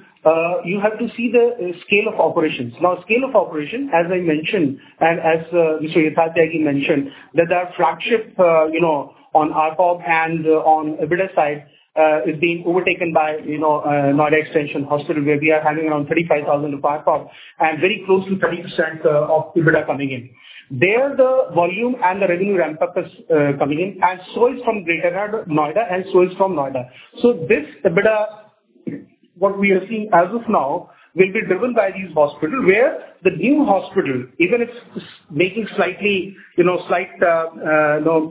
you have to see the scale of operations. Now, scale of operation, as I mentioned and as Mr. Yatharth Tyagi mentioned, that our flagship on ARPOB and on EBITDA side is being overtaken by Noida Extension Hospital, where we are handling around 35,000 of ARPOB and very close to 30% of EBITDA coming in. They are the volume and the revenue ramp-up coming in, and so is from Greater Noida and so is from Noida. So this EBITDA, what we are seeing as of now, will be driven by these hospitals, where the new hospital, even if it's making slightly slight losses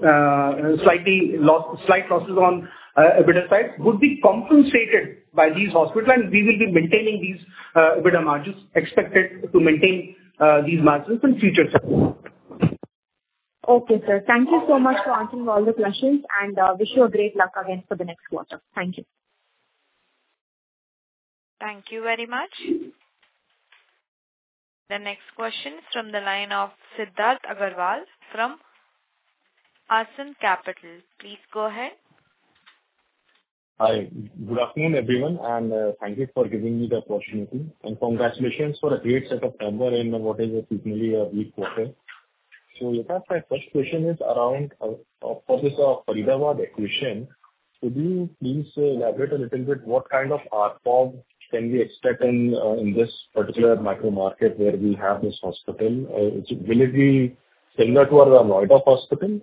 on EBITDA side, would be compensated by these hospitals, and we will be maintaining these EBITDA margins, expected to maintain these margins in future. Okay, sir. Thank you so much for answering all the questions, and wish you great luck again for the next quarter. Thank you. Thank you very much. The next question is from the line of Siddharth Agarwal from AASN Capital. Please go ahead. Hi. Good afternoon, everyone, and thank you for giving me the opportunity. Congratulations for a great set of numbers in what is seasonally a weak quarter. So Yatharth, my first question is around for this Faridabad acquisition, could you please elaborate a little bit what kind of ARPOB can we expect in this particular micro market where we have this hospital? Will it be similar to our Noida hospital?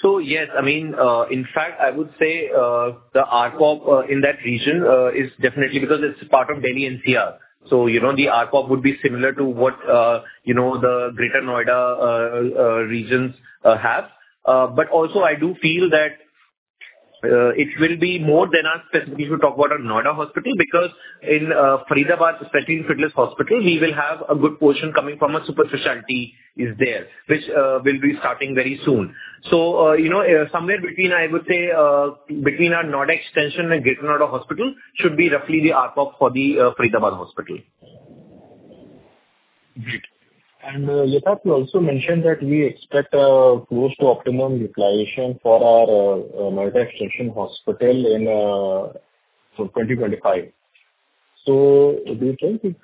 So yes. I mean, in fact, I would say the ARPOB in that region is definitely because it's part of Delhi NCR. So the ARPOB would be similar to what the Greater Noida regions have. But also, I do feel that it will be more than us specifically should talk about our Noida hospital because in Faridabad, especially in Asian Fidelis Hospital, we will have a good portion coming from a super specialty there, which will be starting very soon. So somewhere between, I would say, between our Noida Extension and Greater Noida Hospital should be roughly the ARPOB for the Faridabad hospital. Great. And Yatharth, you also mentioned that we expect close to optimum replacement for our Noida Extension Hospital for 2025. So do you think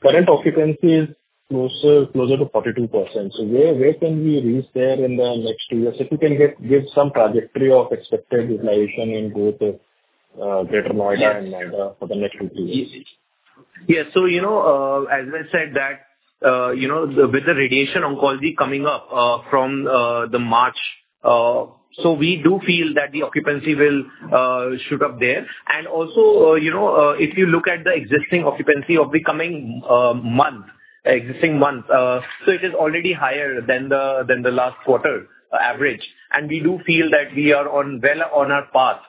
current occupancy is closer to 42%? So where can we reach there in the next two years if we can give some trajectory of expected replacement in both Greater Noida and Noida for the next two years? Yes. So as I said, that with the Radiation Oncology coming up from the March, so we do feel that the occupancy will shoot up there. And also, if you look at the existing occupancy of the coming month, existing month, so it is already higher than the last quarter average. And we do feel that we are well on our path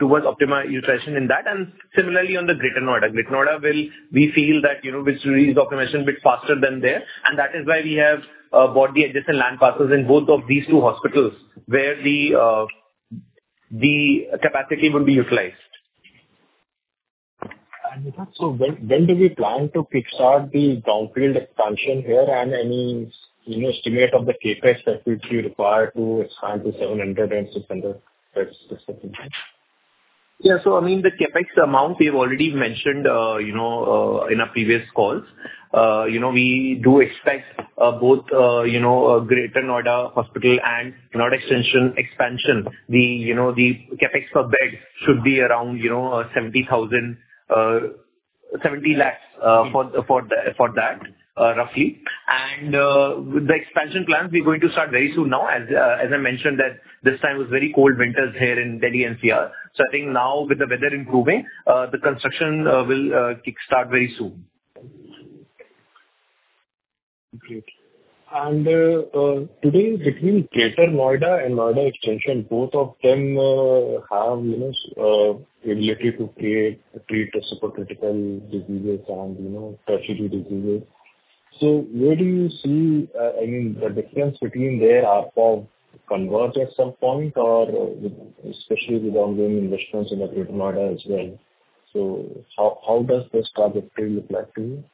towards optimal utilization in that. And similarly, on the Greater Noida, Greater Noida, we feel that we should reach the occupancy a bit faster than there. And that is why we have bought the adjacent land parcels in both of these two hospitals where the capacity would be utilized. Yatharth, so when do we plan to kickstart the brownfield expansion here and any estimate of the CapEx that we would be required to expand to 700 and 600 beds specifically? Yeah. So I mean, the CapEx amount, we've already mentioned in our previous calls. We do expect both Greater Noida Hospital and Noida Extension expansion. The CapEx per bed should be around 70,000- 70 lakhs for that, roughly. And with the expansion plans, we're going to start very soon now. As I mentioned, that this time was very cold winters here in Delhi NCR. So I think now, with the weather improving, the construction will kickstart very soon. Great. Today, between Greater Noida and Noida Extension, both of them have the ability to treat super-specialty diseases and tertiary diseases. So where do you see—I mean, the difference between their ARPOB converge at some point, especially with ongoing investments in Greater Noida as well? So how does this trajectory look like to you?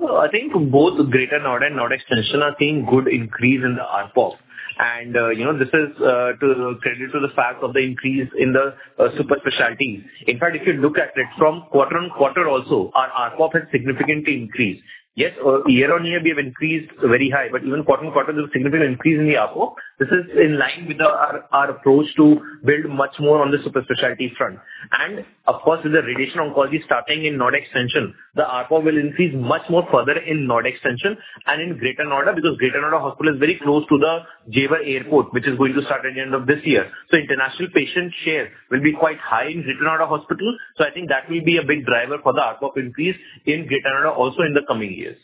Well, I think both Greater Noida and Noida Extension are seeing good increase in the ARPOB. This is to credit to the fact of the increase in the super specialty. In fact, if you look at it from quarter-on-quarter also, our RFOP has significantly increased. Yes, year-on-year, we have increased very high. But even quarter-on-quarter, there was significant increase in the RFOP. This is in line with our approach to build much more on the super specialty front. And of course, with the radiation oncology starting in Noida Extension, the RFOP will increase much more further in Noida Extension and in Greater Noida because Greater Noida Hospital is very close to the Jewar Airport, which is going to start at the end of this year. So international patient share will be quite high in Greater Noida Hospital. So I think that will be a big driver for the ARPOB increase in Greater Noida also in the coming years.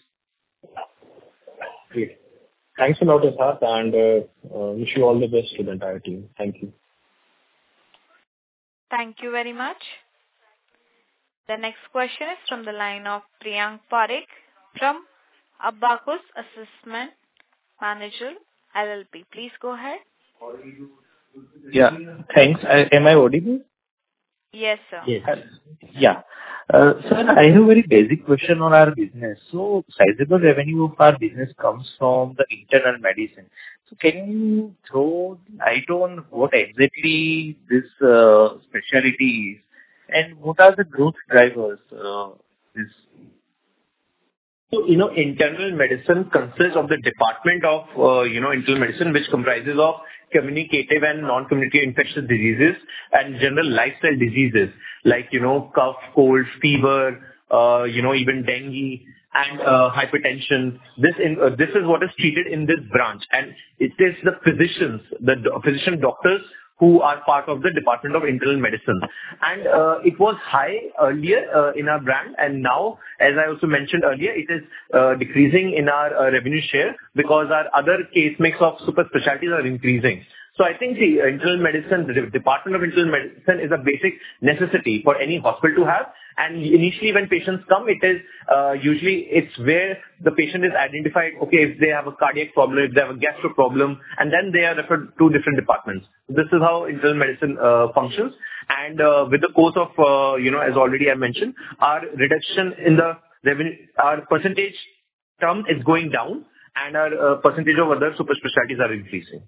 Great. Thanks a lot, Yatharth, and wish you all the best to the entire team. Thank you. Thank you very much. The next question is from the line of Priyank Parikh from Abakkus Asset Manager LLP. Please go ahead. Yeah. Thanks. Am I audible? Yes, sir. Yes. Yeah. Sir, I have a very basic question on our business. Sizable revenue of our business comes from the Internal Medicine. Can you throw a light on what exactly this specialty is and what are the growth drivers? So Internal Medicine consists of the Department of Internal Medicine, which comprises communicable and non-communicable infectious diseases and general lifestyle diseases like cough, cold, fever, even dengue, and hypertension. This is what is treated in this branch. It is the physicians, the physician doctors who are part of the Department of Internal Medicine. It was high earlier in our brand. Now, as I also mentioned earlier, it is decreasing in our revenue share because our other case mix of super specialties are increasing. I think the Department of Internal Medicine is a basic necessity for any hospital to have. Initially, when patients come, usually, it is where the patient is identified, okay, if they have a cardiac problem, if they have a gastro problem, and then they are referred to different departments. This is how Internal Medicine functions. With the course of, as already I mentioned, our reduction in our percentage term is going down, and our percentage of other super specialties are increasing.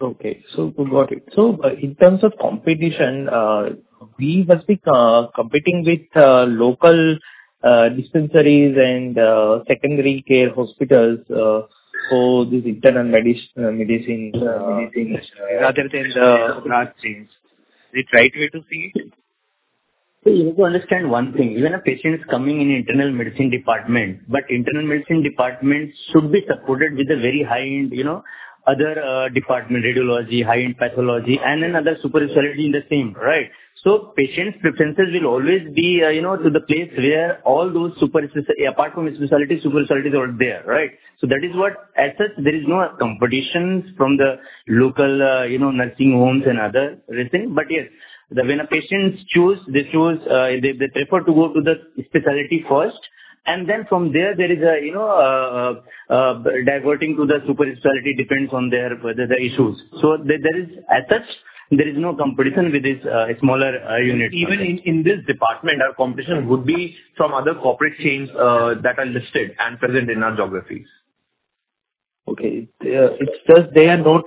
Okay. So got it. So in terms of competition, we must be competing with local dispensaries and secondary care hospitals for this internal medicine rather than the large things. Is it the right way to see it? So you have to understand one thing. Even a patient is coming in the Internal Medicine department, but Internal Medicine department should be supported with a very high-end other department, radiology, high-end pathology, and then other super specialty in the same, right? So patients' preferences will always be to the place where all those super apart from specialties, super specialties are there, right? So that is what as such, there is no competition from the local nursing homes and other reasons. But yes, when a patient choose, they prefer to go to the specialty first. And then from there, there is a diverting to the super specialty depends on whether the issues. So as such, there is no competition with this smaller unit. Even in this department, our competition would be from other corporate chains that are listed and present in our geographies. Okay. They are not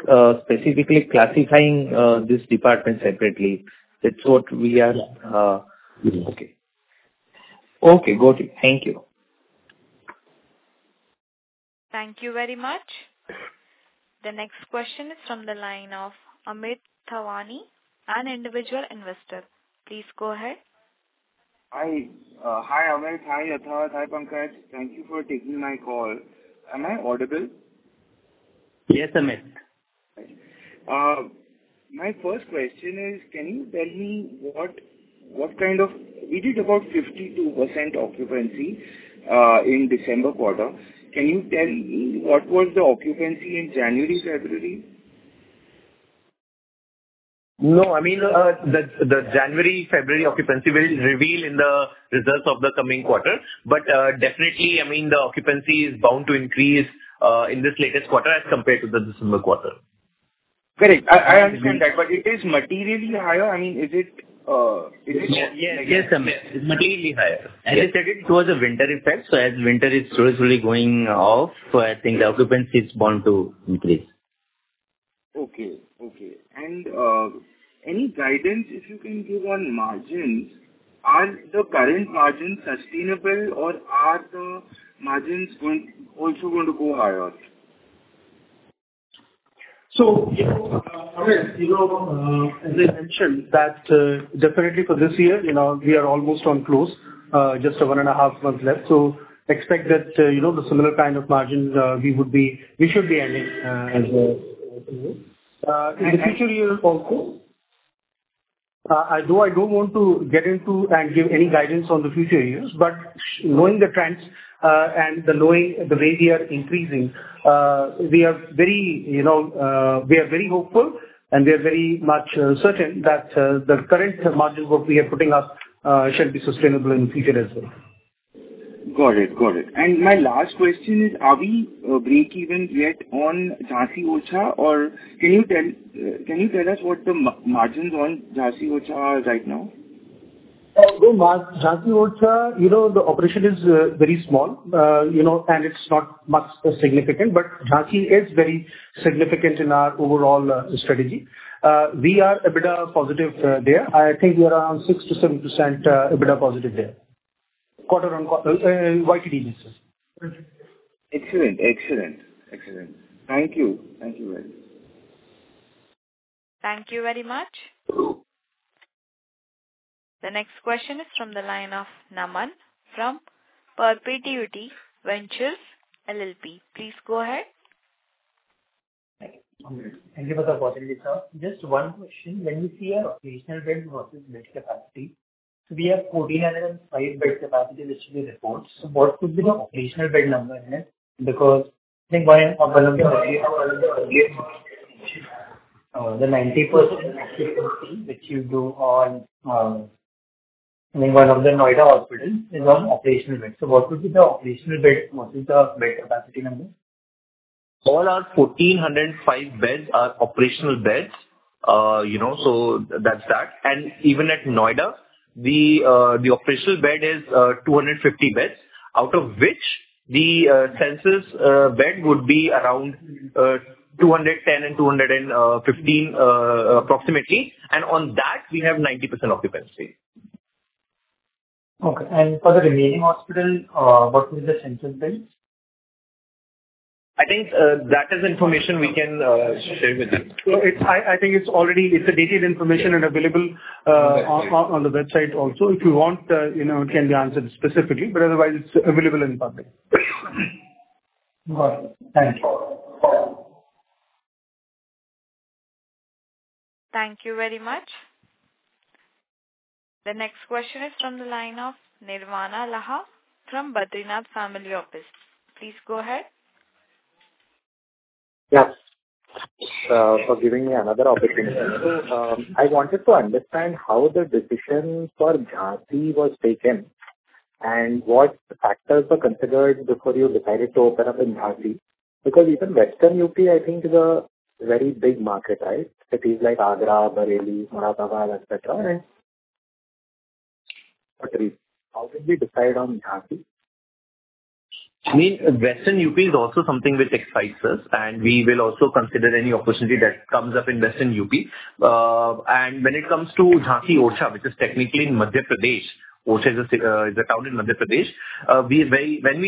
specifically classifying this department separately. That's what we are. Okay. Got it. Thank you. Thank you very much. The next question is from the line of Amit Thawani, an individual investor. Please go ahead. Hi, Amit. Hi, Yatharth. Hi, Pankaj. Thank you for taking my call. Am I audible? Yes, Amit. My first question is, can you tell me what kind of occupancy we did about 52% in December quarter? Can you tell me what was the occupancy in January, February? No. I mean, the January, February occupancy will reveal in the results of the coming quarter. But definitely, I mean, the occupancy is bound to increase in this latest quarter as compared to the December quarter. Great. I understand that. But it is materially higher. I mean, is it negative? Yes, Amit. It's materially higher. And as I said, it was a winter effect. So as winter is slowly, slowly going off, I think the occupancy is bound to increase. Okay. Okay. And any guidance if you can give on margins? Are the current margins sustainable, or are the margins also going to go higher? So Amit, as I mentioned, that definitely for this year, we are almost on course, just one and a half months left. So expect that the similar kind of margin we should be ending as of this year. In the future year also, though, I don't want to get into and give any guidance on the future years. But knowing the trends and the way we are increasing, we are very hopeful, and we are very much certain that the current margins what we are putting up should be sustainable in the future as well. Got it. Got it. My last question is, are we break-even yet on Jhansi-Orchha, or can you tell us what the margins on Jhansi-Orchha are right now? Jhansi Orchha, the operation is very small, and it's not much significant. But Jhansi is very significant in our overall strategy. We are a bit positive there. I think we are around 6%-7% a bit positive there, quarter on quarter YTD basis. Excellent. Excellent. Excellent. Thank you. Thank you very much. Thank you very much. The next question is from the line of Naman from Perpetuity Ventures LLP. Please go ahead. Thank you for the opportunity, sir. Just one question. When we see our operational bed versus bed capacity, so we have 1450 bed capacity, which we report. So what could be the operational bed number in it? Because I think one of the earlier the 90% occupancy which you do on I think one of the Noida hospitals is on operational bed. So what would be the operational bed versus the bed capacity number? All our 1,405 beds are operational beds. So that's that. And even at Noida, the operational bed is 250 beds, out of which the census bed would be around 210 and 215 approximately. And on that, we have 90% occupancy. Okay. For the remaining hospital, what would be the census beds? I think that is information we can share with you. I think it's already it's a detailed information and available on the website also. If you want, it can be answered specifically. But otherwise, it's available in public. Got it. Thank you. Thank you very much. The next question is from the line of Nirvana Laha from Badrinath Family Office. Please go ahead. Yes. For giving me another opportunity. So I wanted to understand how the decision for Jhansi was taken and what factors were considered before you decided to open up in Jhansi. Because even Western UP, I think, is a very big market, right? It is like Agra, Bareilly, Moradabad, etc. And how did we decide on Jhansi? I mean, Western UP is also something which excites us. We will also consider any opportunity that comes up in Western UP. And when it comes to Jhansi-Orchha, which is technically in Madhya Pradesh. Orchha is a town in Madhya Pradesh. When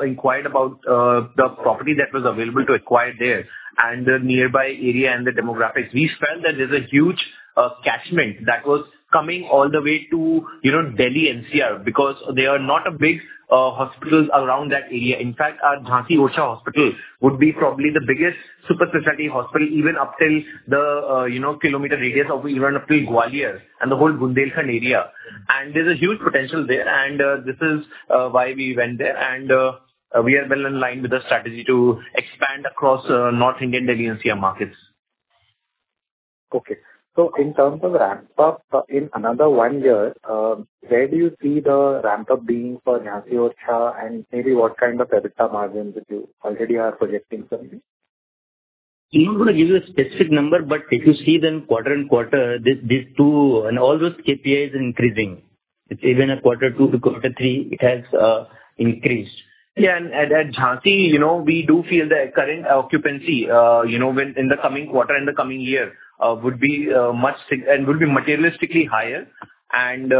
we inquired about the property that was available to acquire there and the nearby area and the demographics, we felt that there's a huge catchment that was coming all the way to Delhi NCR because there are not a big hospitals around that area. In fact, our Jhansi-Orchha Hospital would be probably the biggest super specialty hospital even up till the kilometer radius of even up till Gwalior and the whole Bundelkhand area. And there's a huge potential there. And this is why we went there. And we are well in line with the strategy to expand across North India Delhi NCR markets. Okay. So in terms of ramp-up in another one year, where do you see the ramp-up being for Jhansi-Orchha and maybe what kind of EBITDA margins if you already are projecting something? I'm not going to give you a specific number. But if you see them quarter-on-quarter, these two and all those KPIs are increasing. It's even a quarter to quarter three, it has increased. Yeah. And at Jhansi, we do feel that current occupancy in the coming quarter, in the coming year would be much and would be materially higher. And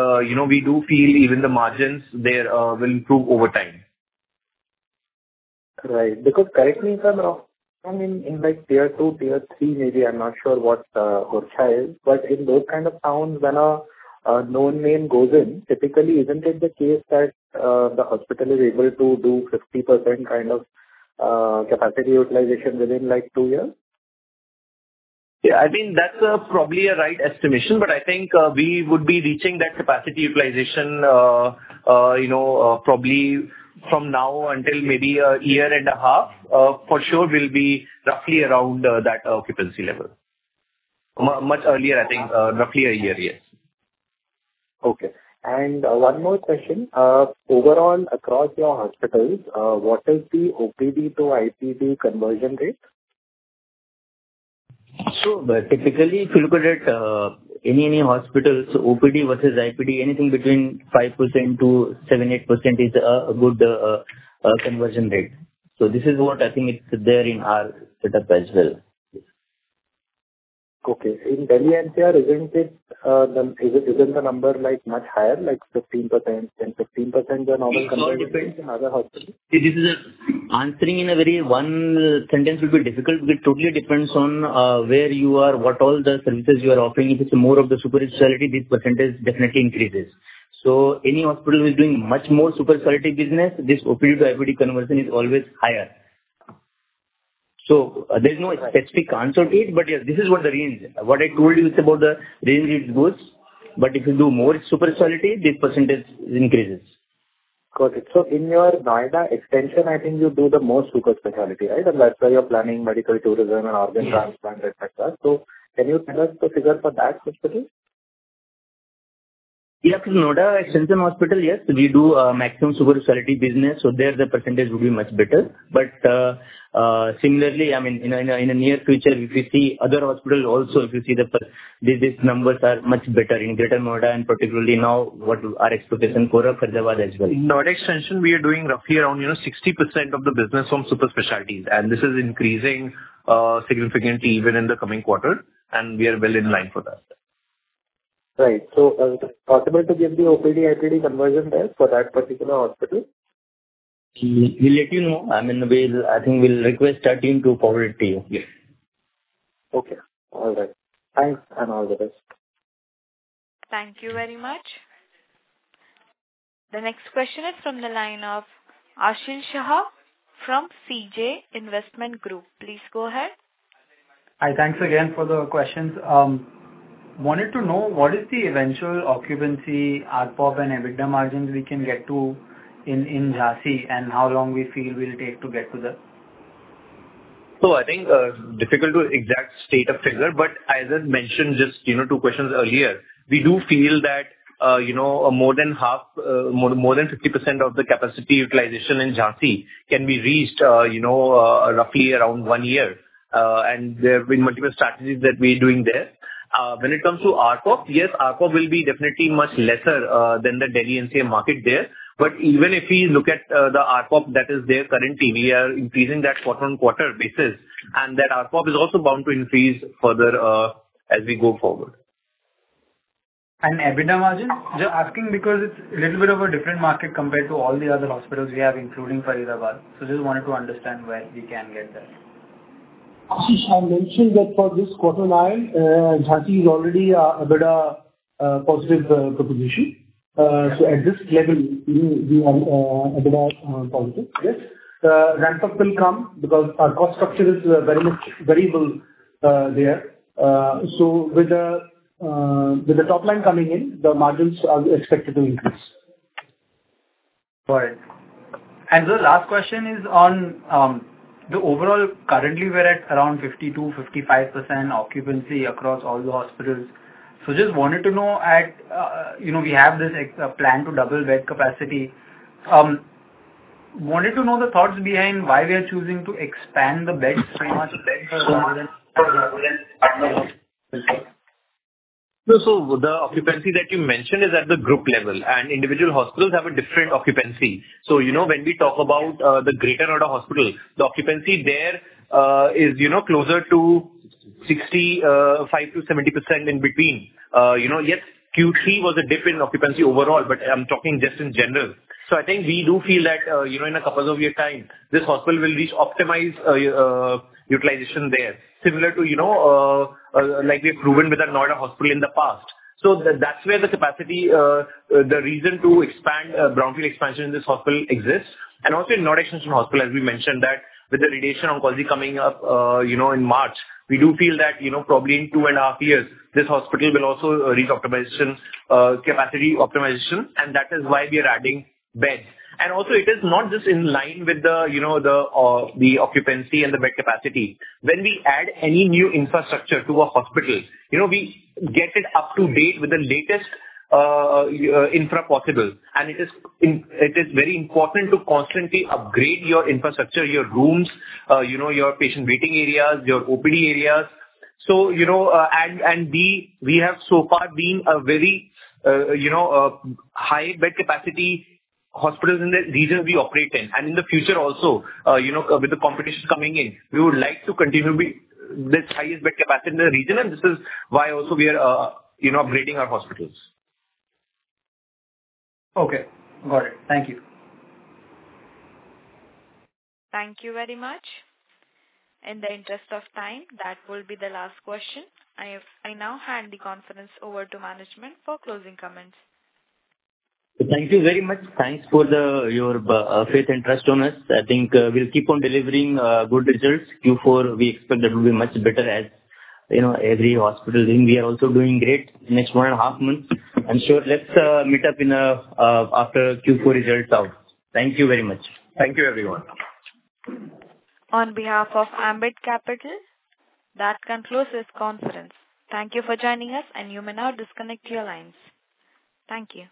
we do feel even the margins there will improve over time. Right. Because correct me, sir, I'm in tier two, tier three maybe. I'm not sure what Orchha is. But in those kind of towns, when a known name goes in, typically, isn't it the case that the hospital is able to do 50% kind of capacity utilization within two years? Yeah. I mean, that's probably a right estimation. But I think we would be reaching that capacity utilization probably from now until maybe a year and a half for sure will be roughly around that occupancy level. Much earlier, I think, roughly a year, yes. Okay. And one more question. Overall, across your hospitals, what is the OPD to IPD conversion rate? So typically, if you look at it, any hospitals, OPD versus IPD, anything between 5%-8% is a good conversion rate. So this is what I think it's there in our setup as well. Okay. In Delhi NCR, isn't the number much higher, like 15%? And 15% is a normal conversion rate in other hospitals? This is answering in a very one sentence would be difficult. It totally depends on where you are, what all the services you are offering. If it's more of the super specialty, this percentage definitely increases. So any hospital who is doing much more super specialty business, this OPD to IPD conversion is always higher. So there's no specific answer to it. But yes, this is what the range what I told you is about the range it goes. But if you do more super specialty, this percentage increases. Got it. So in your Noida Extension, I think you do the most super specialty, right? And that's where you're planning medical tourism and organ transplant, etc. So can you tell us the figure for that hospital? Yes. Noida Extension hospital, yes, we do maximum super specialty business. So there, the percentage would be much better. But similarly, I mean, in a near future, if you see other hospitals also, if you see that these numbers are much better in Greater Noida and particularly now what our expectation for Faridabad as well. In Noida Extension, we are doing roughly around 60% of the business from super specialties. This is increasing significantly even in the coming quarter. We are well in line for that. Right. So is it possible to give the OPD/IPD conversion there for that particular hospital? We'll let you know. I mean, I think we'll request our team to forward it to you. Yes. Okay. All right. Thanks. And all the best. Thank you very much. The next question is from the line of Aashil Shah from CJ Investment Group. Please go ahead. Hi. Thanks again for the questions. Wanted to know what is the eventual occupancy ARPOB and EBITDA margins we can get to in Jhansi and how long we feel will take to get to that? So I think it's difficult to exactly state the figure. But as I mentioned just two questions earlier, we do feel that more than half, more than 50% of the capacity utilization in Jhansi can be reached roughly around one year. And there have been multiple strategies that we're doing there. When it comes to ARPOB, yes, ARPOB will be definitely much lesser than the Delhi NCR market there. But even if we look at the ARPOB that is there currently, we are increasing that quarter-on-quarter basis. And that ARPOB is also bound to increase further as we go forward. EBITDA margin? Just asking because it's a little bit of a different market compared to all the other hospitals we have, including Faridabad. So just wanted to understand where we can get that. Aashil Shah mentioned that for this quarter nine, Jhansi is already a bit positive proposition. So at this level, we are a bit positive, yes. Ramp-up will come because our cost structure is very much variable there. So with the top line coming in, the margins are expected to increase. Right. And the last question is on the overall currently, we're at around 52%-55% occupancy across all the hospitals. So just wanted to know that we have this plan to double bed capacity. Wanted to know the thoughts behind why we are choosing to expand the beds so much more than other hospitals. So the occupancy that you mentioned is at the group level. And individual hospitals have a different occupancy. So when we talk about the Greater Noida Hospital, the occupancy there is closer to 65%-70% in between. Yes, Q3 was a dip in occupancy overall, but I'm talking just in general. So I think we do feel that in a couple of years' time, this hospital will reach optimized utilization there, similar to like we have proven with a Noida Hospital in the past. So that's where the capacity the reason to expand Brownfield expansion in this hospital exists. And also in Noida Extension Hospital, as we mentioned, that with the Radiation Oncology coming up in March, we do feel that probably in 2.5 years, this hospital will also reach capacity optimization. And that is why we are adding beds. Also, it is not just in line with the occupancy and the bed capacity. When we add any new infrastructure to a hospital, we get it up to date with the latest infra possible. It is very important to constantly upgrade your infrastructure, your rooms, your patient waiting areas, your OPD areas. We have so far been a very high bed capacity hospitals in the region we operate in. In the future also, with the competition coming in, we would like to continue this highest bed capacity in the region. This is why also we are upgrading our hospitals. Okay. Got it. Thank you. Thank you very much. In the interest of time, that will be the last question. I now hand the conference over to management for closing comments. Thank you very much. Thanks for your faith and trust on us. I think we'll keep on delivering good results. Q4, we expect that will be much better as every hospital thing. We are also doing great next one and a half months. I'm sure. Let's meet up after Q4 results out. Thank you very much. Thank you, everyone. On behalf of Ambit Capital, that concludes this conference. Thank you for joining us. You may now disconnect your lines. Thank you.